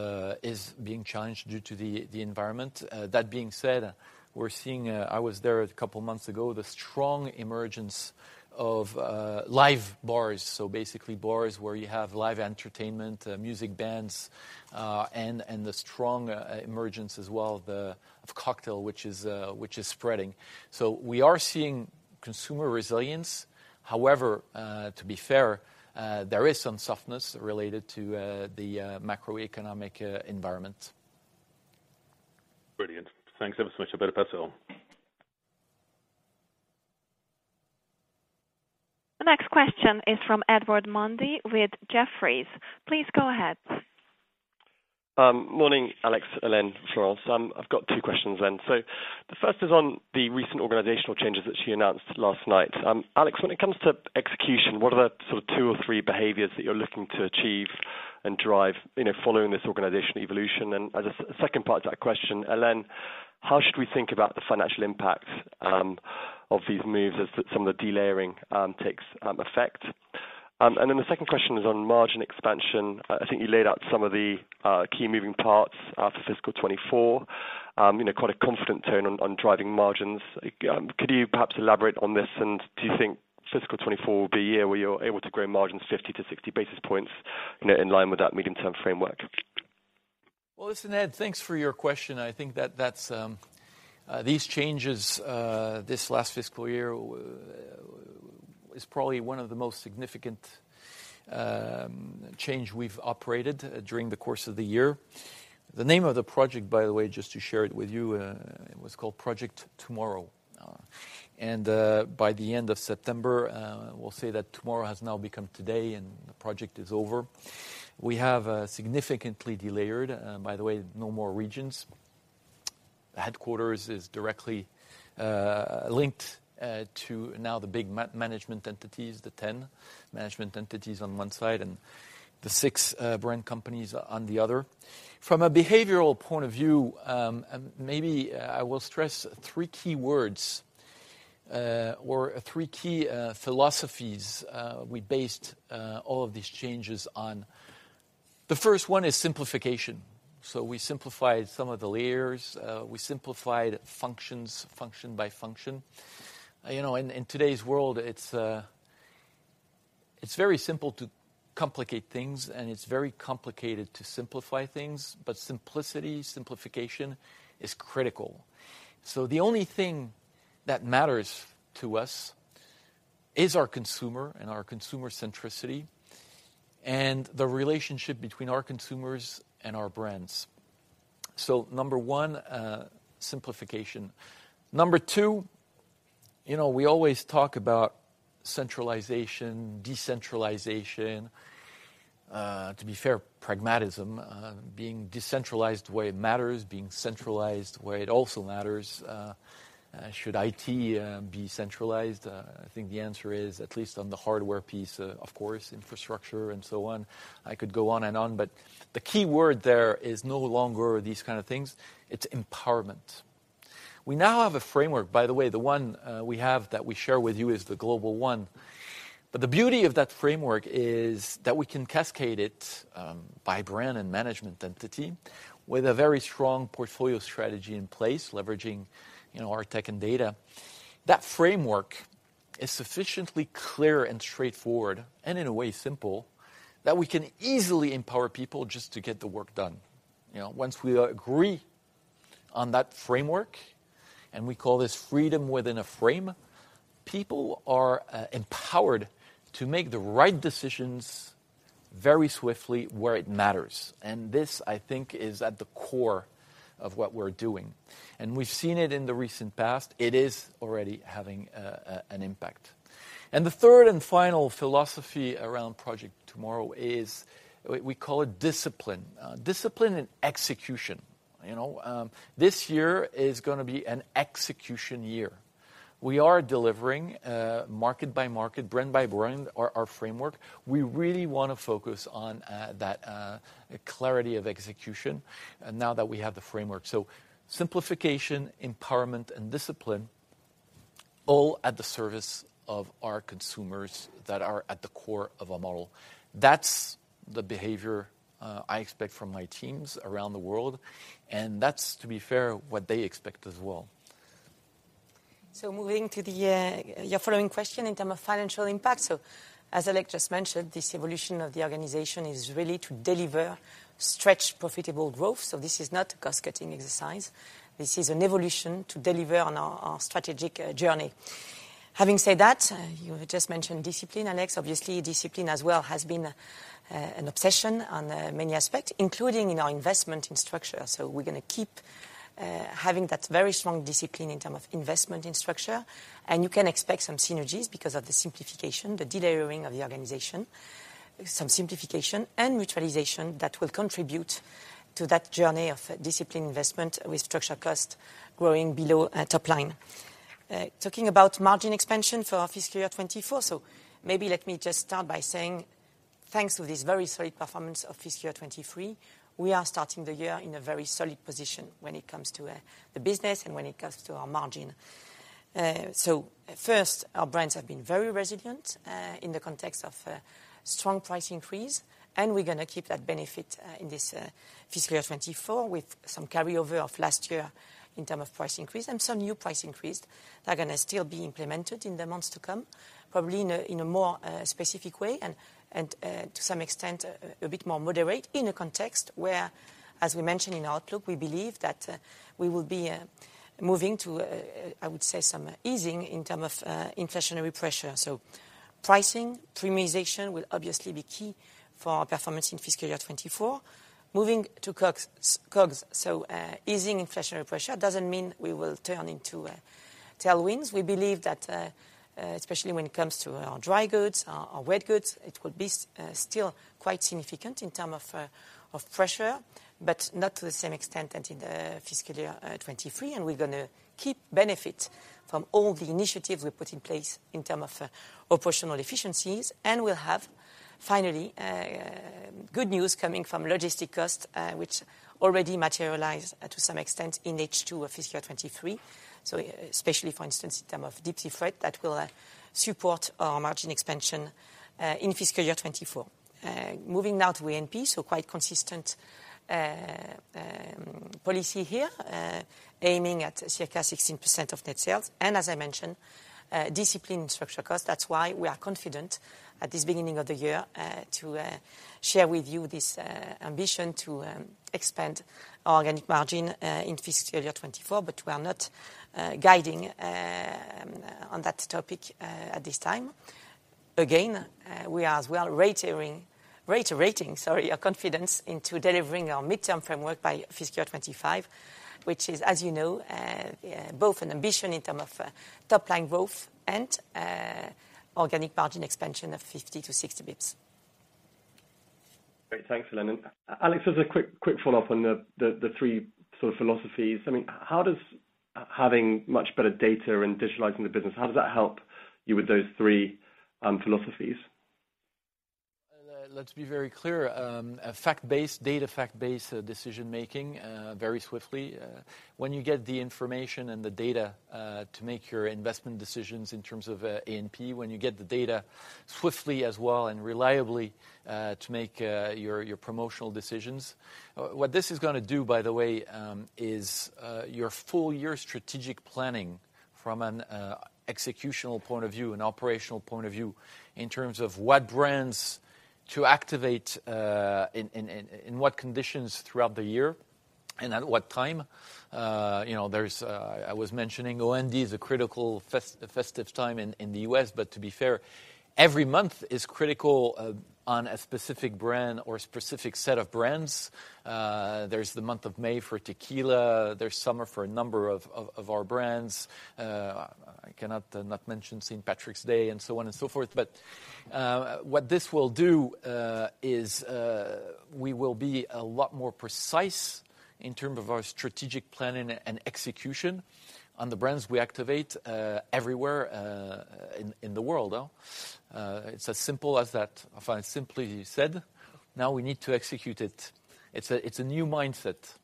being challenged due to the environment. That being said, we're seeing... I was there a couple of months ago, the strong emergence of live bars. So basically bars where you have live entertainment, music bands, and the strong emergence as well of cocktail, which is spreading. So we are seeing consumer resilience. However, to be fair, there is some softness related to the macroeconomic environment. Brilliant. Thanks ever so much. Bye, that's all. The next question is from Edward Mundy with Jefferies. Please go ahead. Morning, Alex, Helene, Florence. I've got two questions then. So the first is on the recent organizational changes that you announced last night. Alex, when it comes to execution, what are the sort of two or three behaviors that you're looking to achieve and drive, you know, following this organizational evolution? And as a second part to that question, Helene, how should we think about the financial impact of these moves as some of the delayering takes effect? And then the second question is on margin expansion. I think you laid out some of the key moving parts for fiscal 2024. You know, quite a confident tone on driving margins. Could you perhaps elaborate on this? Do you think fiscal 2024 will be a year where you're able to grow margins 50-60 basis points, you know, in line with that medium-term framework? Well, listen, Ed, thanks for your question. I think that that's... These changes, this last fiscal year, is probably one of the most significant change we've operated during the course of the year. The name of the project, by the way, just to share it with you, it was called Project Tomorrow. And, by the end of September, we'll say that tomorrow has now become today, and the project is over. We have significantly delayered, by the way, no more regions. Headquarters is directly linked to now the big management entities, the 10 management entities on one side and the six brand companies on the other. From a behavioral point of view, and maybe I will stress three key words, or three key philosophies we based all of these changes on. The first one is simplification. So we simplified some of the layers, we simplified functions, function by function. You know, in today's world, it's very simple to complicate things, and it's very complicated to simplify things, but simplicity, simplification is critical. So the only thing that matters to us is our consumer and our consumer centricity, and the relationship between our consumers and our brands. So number one, simplification. Number two, you know, we always talk about centralization, decentralization, to be fair, pragmatism, being decentralized, where it matters, being centralized, where it also matters. Should IT be centralized? I think the answer is at least on the hardware piece, of course, infrastructure and so on. I could go on and on, but the key word there is no longer these kind of things. It's empowerment. We now have a framework, by the way, the one we have that we share with you is the global one. But the beauty of that framework is that we can cascade it by brand and management entity with a very strong portfolio strategy in place, leveraging, you know, our tech and data. That framework is sufficiently clear and straightforward, and in a way simple, that we can easily empower people just to get the work done. You know, once we agree on that framework, and we call this freedom within a frame, people are empowered to make the right decisions very swiftly where it matters. And this, I think, is at the core of what we're doing, and we've seen it in the recent past. It is already having an impact. And the third and final philosophy around Project Tomorrow is, we call it discipline. Discipline and execution. You know, this year is gonna be an execution year. We are delivering market by market, brand by brand, our framework. We really wanna focus on that clarity of execution, and now that we have the framework. So simplification, empowerment, and discipline, all at the service of our consumers that are at the core of our model. That's the behavior I expect from my teams around the world, and that's, to be fair, what they expect as well. So moving to the your following question in term of financial impact. So as Alex just mentioned, this evolution of the organization is really to deliver stretch profitable growth, so this is not a cost-cutting exercise. This is an evolution to deliver on our our strategic journey. Having said that, you just mentioned discipline, Alex. Obviously, discipline as well has been an obsession on many aspects, including in our investment in structure. So we're gonna keep having that very strong discipline in term of investment in structure, and you can expect some synergies because of the simplification, the delayering of the organization. Some simplification and mutualization that will contribute to that journey of disciplined investment with structure cost growing below top line. Talking about margin expansion for our fiscal year 2024, so maybe let me just start by saying, thanks to this very solid performance of fiscal year 2023, we are starting the year in a very solid position when it comes to the business and when it comes to our margin. So first, our brands have been very resilient in the context of strong price increase, and we're gonna keep that benefit in this fiscal year 2024, with some carryover of last year in terms of price increase. Some new price increase that are gonna still be implemented in the months to come, probably in a more specific way and to some extent a bit more moderate in a context where, as we mentioned in our outlook, we believe that we will be moving to I would say some easing in terms of inflationary pressure. So pricing, premiumization, will obviously be key for our performance in fiscal year 2024. Moving to COGS, so easing inflationary pressure doesn't mean we will turn into tailwinds. We believe that especially when it comes to our dry goods, our wet goods, it will be still quite significant in terms of pressure, but not to the same extent as in the fiscal year 2023. And we're gonna keep benefit from all the initiatives we put in place in terms of operational efficiencies. And we'll have, finally, good news coming from logistics costs, which already materialized to some extent in H2 of fiscal year 2023. So especially, for instance, in terms of deep sea freight, that will support our margin expansion in fiscal year 2024. Moving now to A&P, so quite consistent policy here, aiming at circa 16% of net sales, and as I mentioned, discipline in structural cost. That's why we are confident at this beginning of the year to share with you this ambition to expand our organic margin in fiscal year 2024, but we are not guiding on that topic at this time. Again, we are as well reiterating, sorry, our confidence into delivering our midterm framework by fiscal year 2025, which is, as you know, both an ambition in term of, top line growth and, organic margin expansion of 50 to 60 basis points. Great. Thanks, Hélène. Alex, just a quick follow-up on the three sort of philosophies. I mean, how does having much better data and digitalizing the business, how does that help you with those three philosophies? Let's be very clear, a fact-based, data-based decision-making very swiftly. When you get the information and the data to make your investment decisions in terms of A&P, when you get the data swiftly as well, and reliably, to make your promotional decisions... What this is gonna do, by the way, is your full-year strategic planning from an executional point of view, an operational point of view, in terms of what brands to activate in what conditions throughout the year and at what time. You know, I was mentioning, OND is a critical festive time in the U.S., but to be fair, every month is critical on a specific brand or a specific set of brands. There's the month of May for tequila, there's summer for a number of our brands. I cannot not mention St. Patrick's Day, and so on and so forth. But what this will do is we will be a lot more precise in term of our strategic planning and execution on the brands we activate everywhere in the world. It's as simple as that. I find simply said, now we need to execute it. It's a new mindset.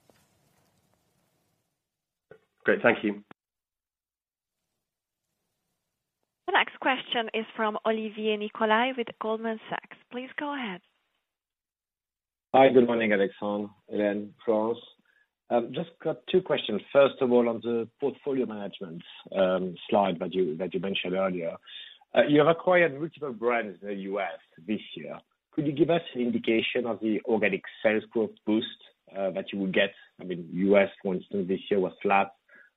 Great. Thank you. The next question is from Olivier Nicolai with Goldman Sachs. Please go ahead.... Hi, good morning, Alexandre, Hélène, Florence. Just got two questions. First of all, on the portfolio management slide that you, that you mentioned earlier. You have acquired multiple brands in the U.S. this year. Could you give us an indication of the organic sales growth boost that you will get? I mean, U.S., for instance, this year was flat.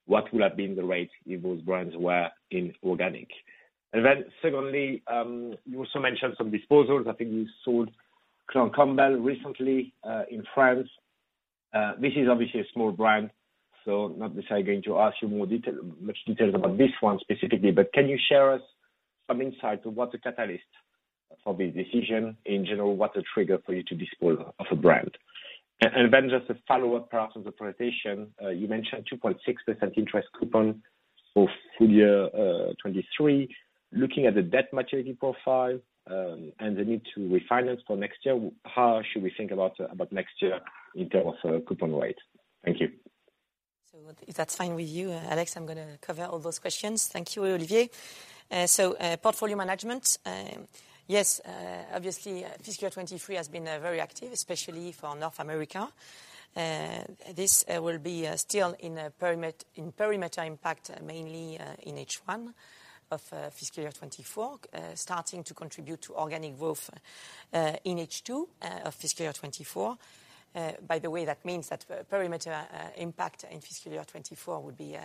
What would have been the rate if those brands were in organic? And then secondly, you also mentioned some disposals. I think you sold Clan Campbell recently in France. This is obviously a small brand, so not necessarily going to ask you more detail, much details about this one specifically, but can you share us some insight to what the catalyst for this decision? In general, what's the trigger for you to dispose of a brand? Just a follow-up part on the presentation. You mentioned 2.6% interest coupon for full year 2023. Looking at the debt maturity profile, and the need to refinance for next year, how should we think about next year in terms of coupon rate? Thank you. So if that's fine with you, Alex, I'm gonna cover all those questions. Thank you, Olivier. So, portfolio management. Yes, obviously, fiscal 2023 has been very active, especially for North America. This will be still in a perimeter, in perimeter impact, mainly, in H1 of fiscal year 2024. Starting to contribute to organic growth, in H2, of fiscal year 2024. By the way, that means that perimeter impact in fiscal year 2024 will be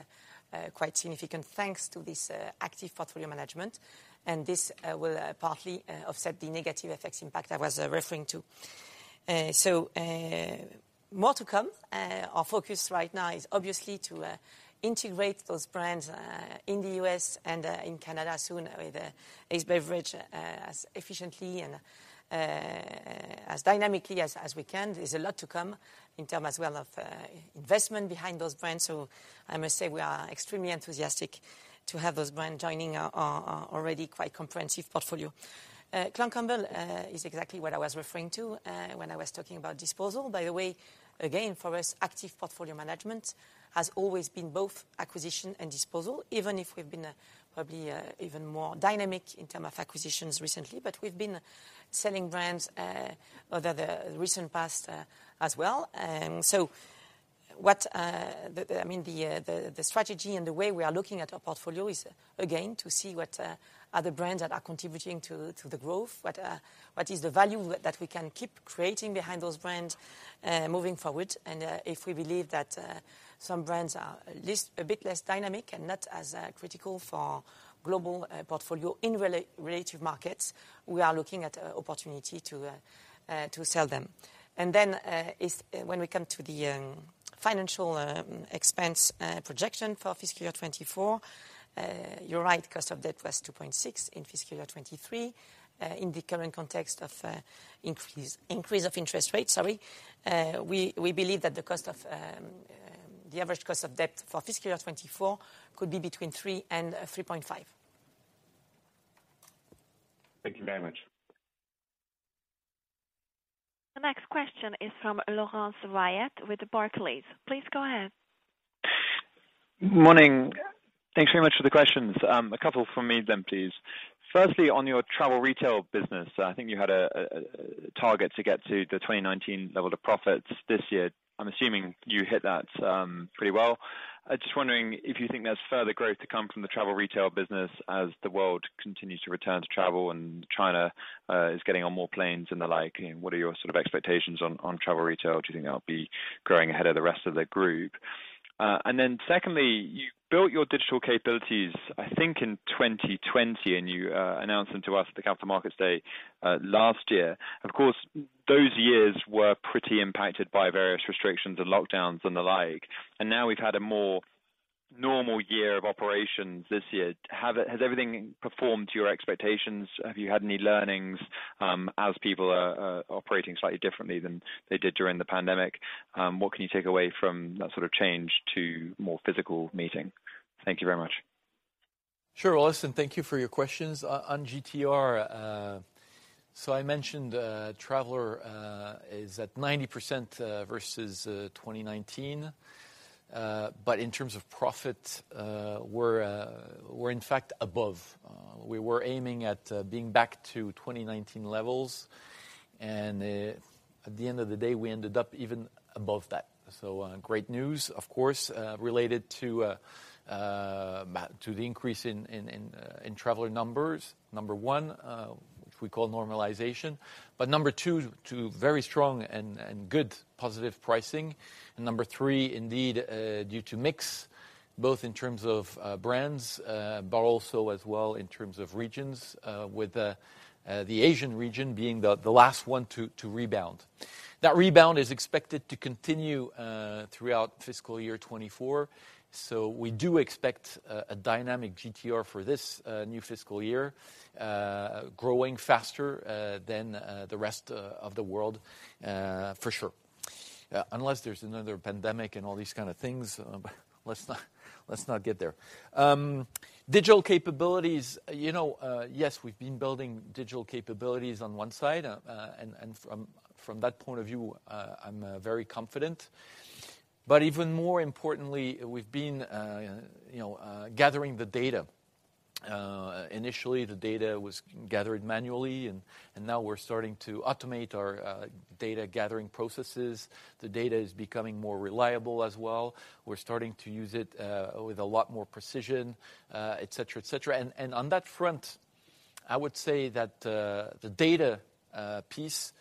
quite significant, thanks to this active portfolio management. And this will partly offset the negative FX impact I was referring to. So, more to come. Our focus right now is obviously to integrate those brands in the U.S. and in Canada soon with Ace Beverage as efficiently and as dynamically as we can. There's a lot to come in term as well of investment behind those brands. So I must say, we are extremely enthusiastic to have those brands joining our, our, our already quite comprehensive portfolio. Clan Campbell is exactly what I was referring to when I was talking about disposal. By the way, again, for us, active portfolio management has always been both acquisition and disposal, even if we've been probably even more dynamic in term of acquisitions recently. But we've been selling brands over the recent past as well. And so what, the, I mean, the strategy and the way we are looking at our portfolio is, again, to see what are the brands that are contributing to the growth. What is the value that we can keep creating behind those brands, moving forward? And if we believe that some brands are least a bit less dynamic and not as critical for global portfolio in relative markets, we are looking at opportunity to sell them. And then, when we come to the financial expense projection for fiscal year 2024, you're right, cost of debt was 2.6 in fiscal year 2023. In the current context of increase of interest rates, we believe that the average cost of debt for fiscal year 2024 could be between 3-3.5. Thank you very much. The next question is from Laurence Whyatt with Barclays. Please go ahead. Morning. Thanks very much for the questions. A couple from me then, please. Firstly, on your travel retail business, I think you had a target to get to the 2019 level of profits this year. I'm assuming you hit that pretty well. I'm just wondering if you think there's further growth to come from the travel retail business as the world continues to return to travel, and China is getting on more planes and the like. And what are your sort of expectations on travel retail? Do you think that'll be growing ahead of the rest of the group? And then secondly, you built your digital capabilities, I think, in 2020, and you announced them to us at the Capital Markets Day last year. Of course, those years were pretty impacted by various restrictions and lockdowns and the like, and now we've had a more normal year of operations this year. Has everything performed to your expectations? Have you had any learnings, as people are operating slightly differently than they did during the pandemic? What can you take away from that sort of change to more physical meeting? Thank you very much. Sure, listen, thank you for your questions on GTR. So I mentioned, traveler is at 90% versus 2019. But in terms of profit, we're in fact above. We were aiming at being back to 2019 levels, and at the end of the day, we ended up even above that. So, great news, of course, related to the increase in traveler numbers, number one, which we call normalization, but number two, to very strong and good positive pricing. And number three, indeed, due to mix, both in terms of brands, but also as well in terms of regions, with the Asian region being the last one to rebound. That rebound is expected to continue throughout fiscal year 2024. So we do expect a dynamic GTR for this new fiscal year, growing faster than the rest of the world, for sure. Unless there's another pandemic and all these kind of things. But let's not, let's not get there. Digital capabilities, you know, yes, we've been building digital capabilities on one side. And from that point of view, I'm very confident. But even more importantly, we've been, you know, gathering the data- Initially the data was gathered manually, and now we're starting to automate our data gathering processes. The data is becoming more reliable as well. We're starting to use it with a lot more precision, et cetera, et cetera. And on that front, I would say that the data piece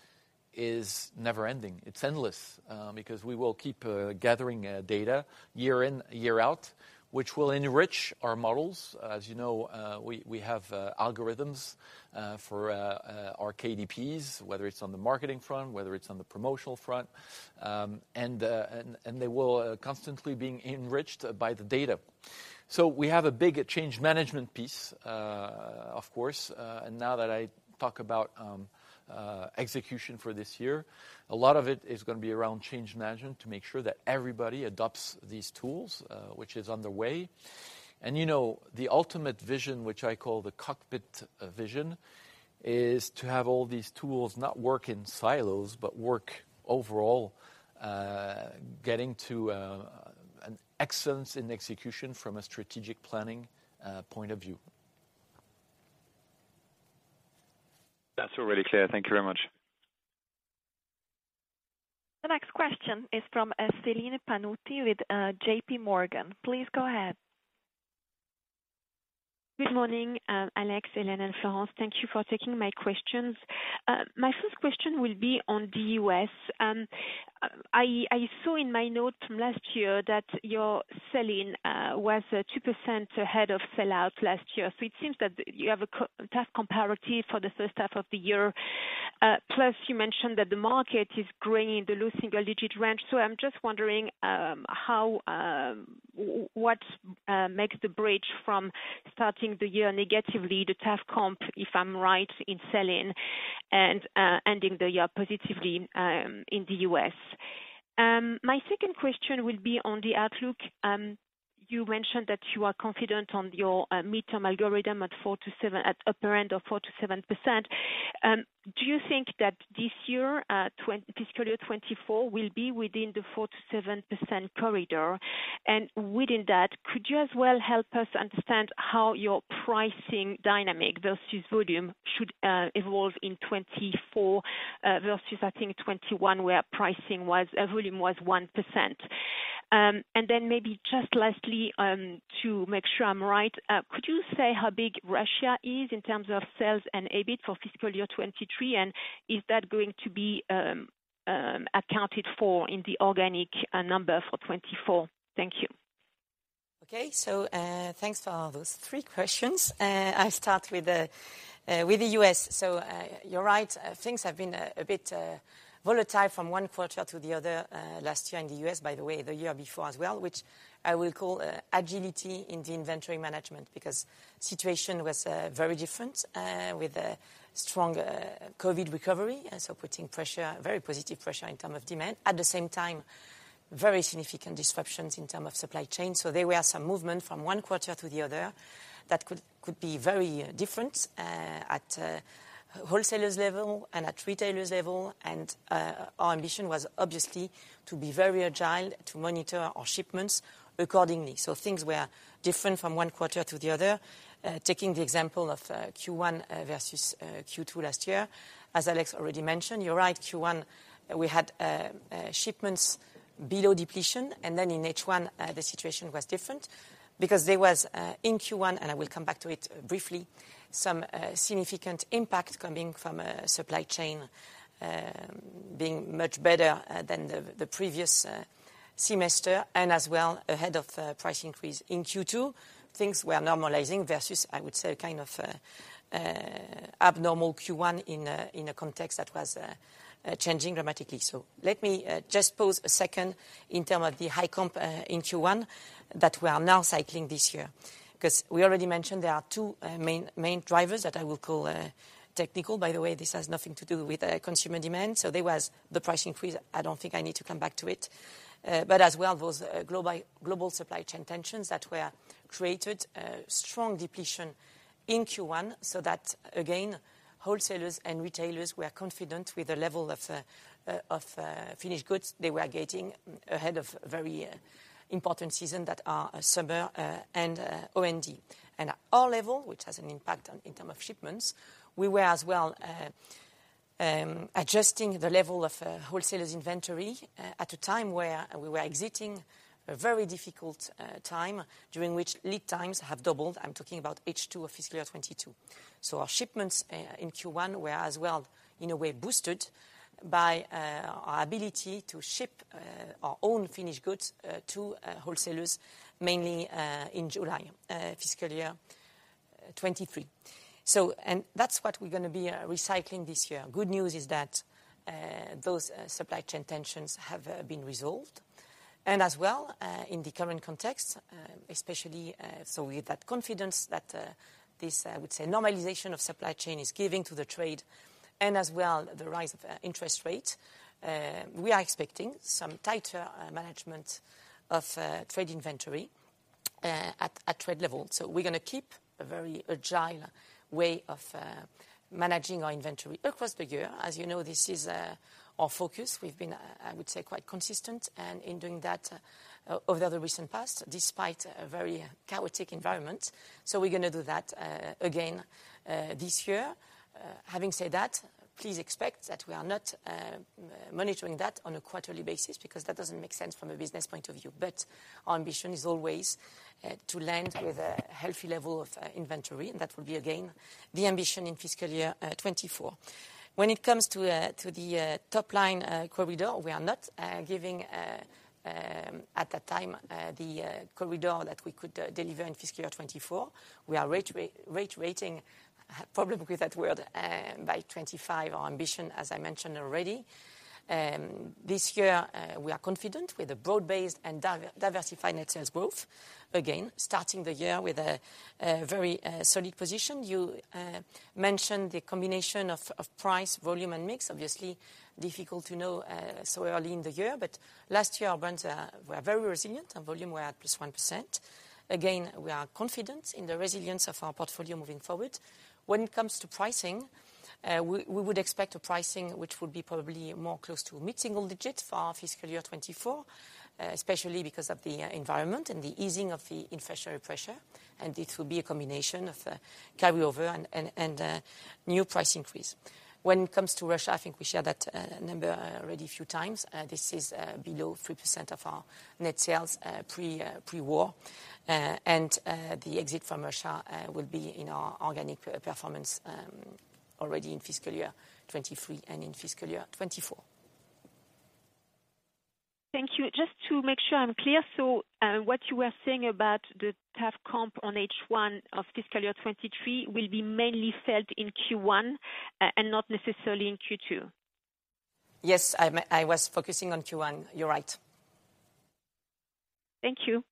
is never ending. It's endless, because we will keep gathering data year in, year out, which will enrich our models. As you know, we have algorithms for our KDPs, whether it's on the marketing front, whether it's on the promotional front, and they will constantly being enriched by the data. So we have a big change management piece, of course. Now that I talk about execution for this year, a lot of it is gonna be around change management to make sure that everybody adopts these tools, which is underway. You know, the ultimate vision, which I call the cockpit vision, is to have all these tools not work in silos, but work overall, getting to an excellence in execution from a strategic planning point of view. That's all really clear. Thank you very much. The next question is from Celine Pannuti with JPMorgan. Please go ahead. Good morning, Alex, Hélène, and Florence. Thank you for taking my questions. My first question will be on the U.S. I saw in my notes from last year that your sell-in was 2% ahead of sell-out last year. So it seems that you have a tough comparative for the first half of the year. Plus, you mentioned that the market is growing in the low single digit range. So I'm just wondering, how, what makes the bridge from starting the year negatively, the tough comp, if I'm right, in sell-in, and ending the year positively in the U.S.? My second question will be on the outlook. You mentioned that you are confident on your midterm algorithm at 4%-7%-- at upper end of 4%-7%. Do you think that this year, fiscal year 2024 will be within the 4%-7% corridor? And within that, could you as well help us understand how your pricing dynamic versus volume should evolve in 2024, versus, I think, 2021, where pricing was, volume was 1%? And then maybe just lastly, to make sure I'm right, could you say how big Russia is in terms of sales and EBIT for fiscal year 2023? And is that going to be accounted for in the organic number for 2024? Thank you. Okay. So, thanks for those three questions. I'll start with the U.S. So, you're right, things have been a bit volatile from one quarter to the other, last year in the U.S., by the way, the year before as well, which I will call agility in the inventory management, because situation was very different, with a strong COVID recovery. And so putting pressure, very positive pressure in term of demand. At the same time, very significant disruptions in term of supply chain. So there were some movement from one quarter to the other that could, could be very different, at wholesalers level and at retailers level. And our ambition was obviously to be very agile, to monitor our shipments accordingly. So things were different from one quarter to the other. Taking the example of Q1 versus Q2 last year, as Alex already mentioned, you're right, Q1, we had shipments below depletion, and then in H1, the situation was different because there was in Q1, and I will come back to it briefly, some significant impact coming from supply chain being much better than the previous semester and as well ahead of price increase. In Q2, things were normalizing versus, I would say, kind of abnormal Q1 in a context that was changing dramatically. So let me just pause a second in term of the high comp in Q1 that we are now cycling this year. Because we already mentioned there are two main, main drivers that I will call technical. By the way, this has nothing to do with consumer demand. So there was the price increase. I don't think I need to come back to it. But as well, those global supply chain tensions that were created strong depletion in Q1, so that, again, wholesalers and retailers were confident with the level of finished goods they were getting ahead of very important season that are summer and OND. And at our level, which has an impact on in term of shipments, we were as well adjusting the level of wholesalers inventory at a time where we were exiting a very difficult time, during which lead times have doubled. I'm talking about H2 of fiscal year 2022. So our shipments in Q1 were as well, in a way, boosted by our ability to ship our own finished goods to wholesalers, mainly in July, fiscal year 2023. And that's what we're gonna be recycling this year. Good news is that those supply chain tensions have been resolved. And as well, in the current context, especially, so with that confidence that this I would say, normalization of supply chain is giving to the trade and as well, the rise of interest rate, we are expecting some tighter management of trade inventory at trade level. So we're gonna keep a very agile way of managing our inventory across the year. As you know, this is our focus. We've been, I would say, quite consistent in doing that over the recent past, despite a very chaotic environment. So we're gonna do that again this year. Having said that, please expect that we are not monitoring that on a quarterly basis, because that doesn't make sense from a business point of view. But our ambition is always to land with a healthy level of inventory, and that will be, again, the ambition in fiscal year 2024. When it comes to the top line corridor, we are not giving at that time the corridor that we could deliver in fiscal year 2024. We are rather waiting, problem with that word, by 2025, our ambition, as I mentioned already. This year, we are confident with the broad-based and diversified net sales growth. Again, starting the year with a very solid position. You mentioned the combination of price, volume, and mix, obviously difficult to know so early in the year, but last year our brands were very resilient, and volume were at +1%. Again, we are confident in the resilience of our portfolio moving forward. When it comes to pricing, we would expect a pricing which would be probably more close to mid-single-digit for our fiscal year 2024, especially because of the environment and the easing of the inflationary pressure, and it will be a combination of carryover and new price increase. When it comes to Russia, I think we share that number already a few times. This is below 3% of our net sales, pre-war. The exit from Russia will be in our organic performance already in fiscal year 2023 and in fiscal year 2024. Thank you. Just to make sure I'm clear, so, what you were saying about the tough comp on H1 of fiscal year 2023 will be mainly felt in Q1, and not necessarily in Q2? Yes, I was focusing on Q1. You're right. Thank you.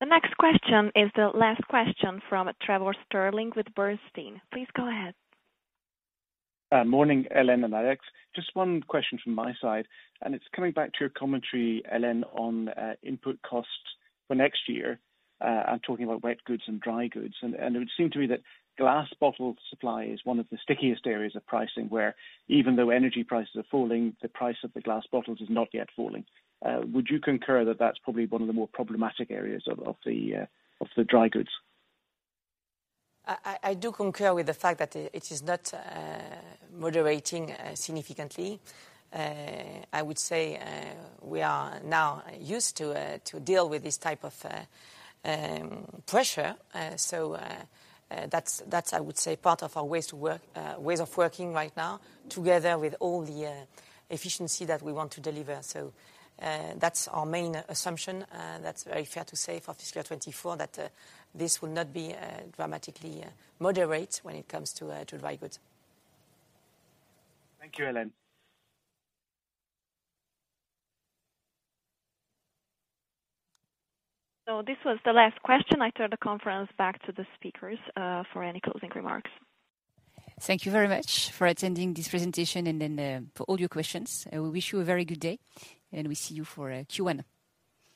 The next question is the last question from Trevor Stirling with Bernstein. Please go ahead. Morning, Hélène and Alex. Just one question from my side, and it's coming back to your commentary, Hélène, on input costs for next year. I'm talking about wet goods and dry goods, and it would seem to me that glass bottle supply is one of the stickiest areas of pricing, where even though energy prices are falling, the price of the glass bottles is not yet falling. Would you concur that that's probably one of the more problematic areas of the dry goods? I do concur with the fact that it is not moderating significantly. I would say we are now used to deal with this type of pressure. So, that's, I would say, part of our ways of working right now, together with all the efficiency that we want to deliver. So, that's our main assumption, that's very fair to say for fiscal year 2024, that this will not be dramatically moderate when it comes to dry goods. Thank you, Hélène. So this was the last question. I turn the conference back to the speakers, for any closing remarks. Thank you very much for attending this presentation and then for all your questions. I will wish you a very good day, and we see you for Q1.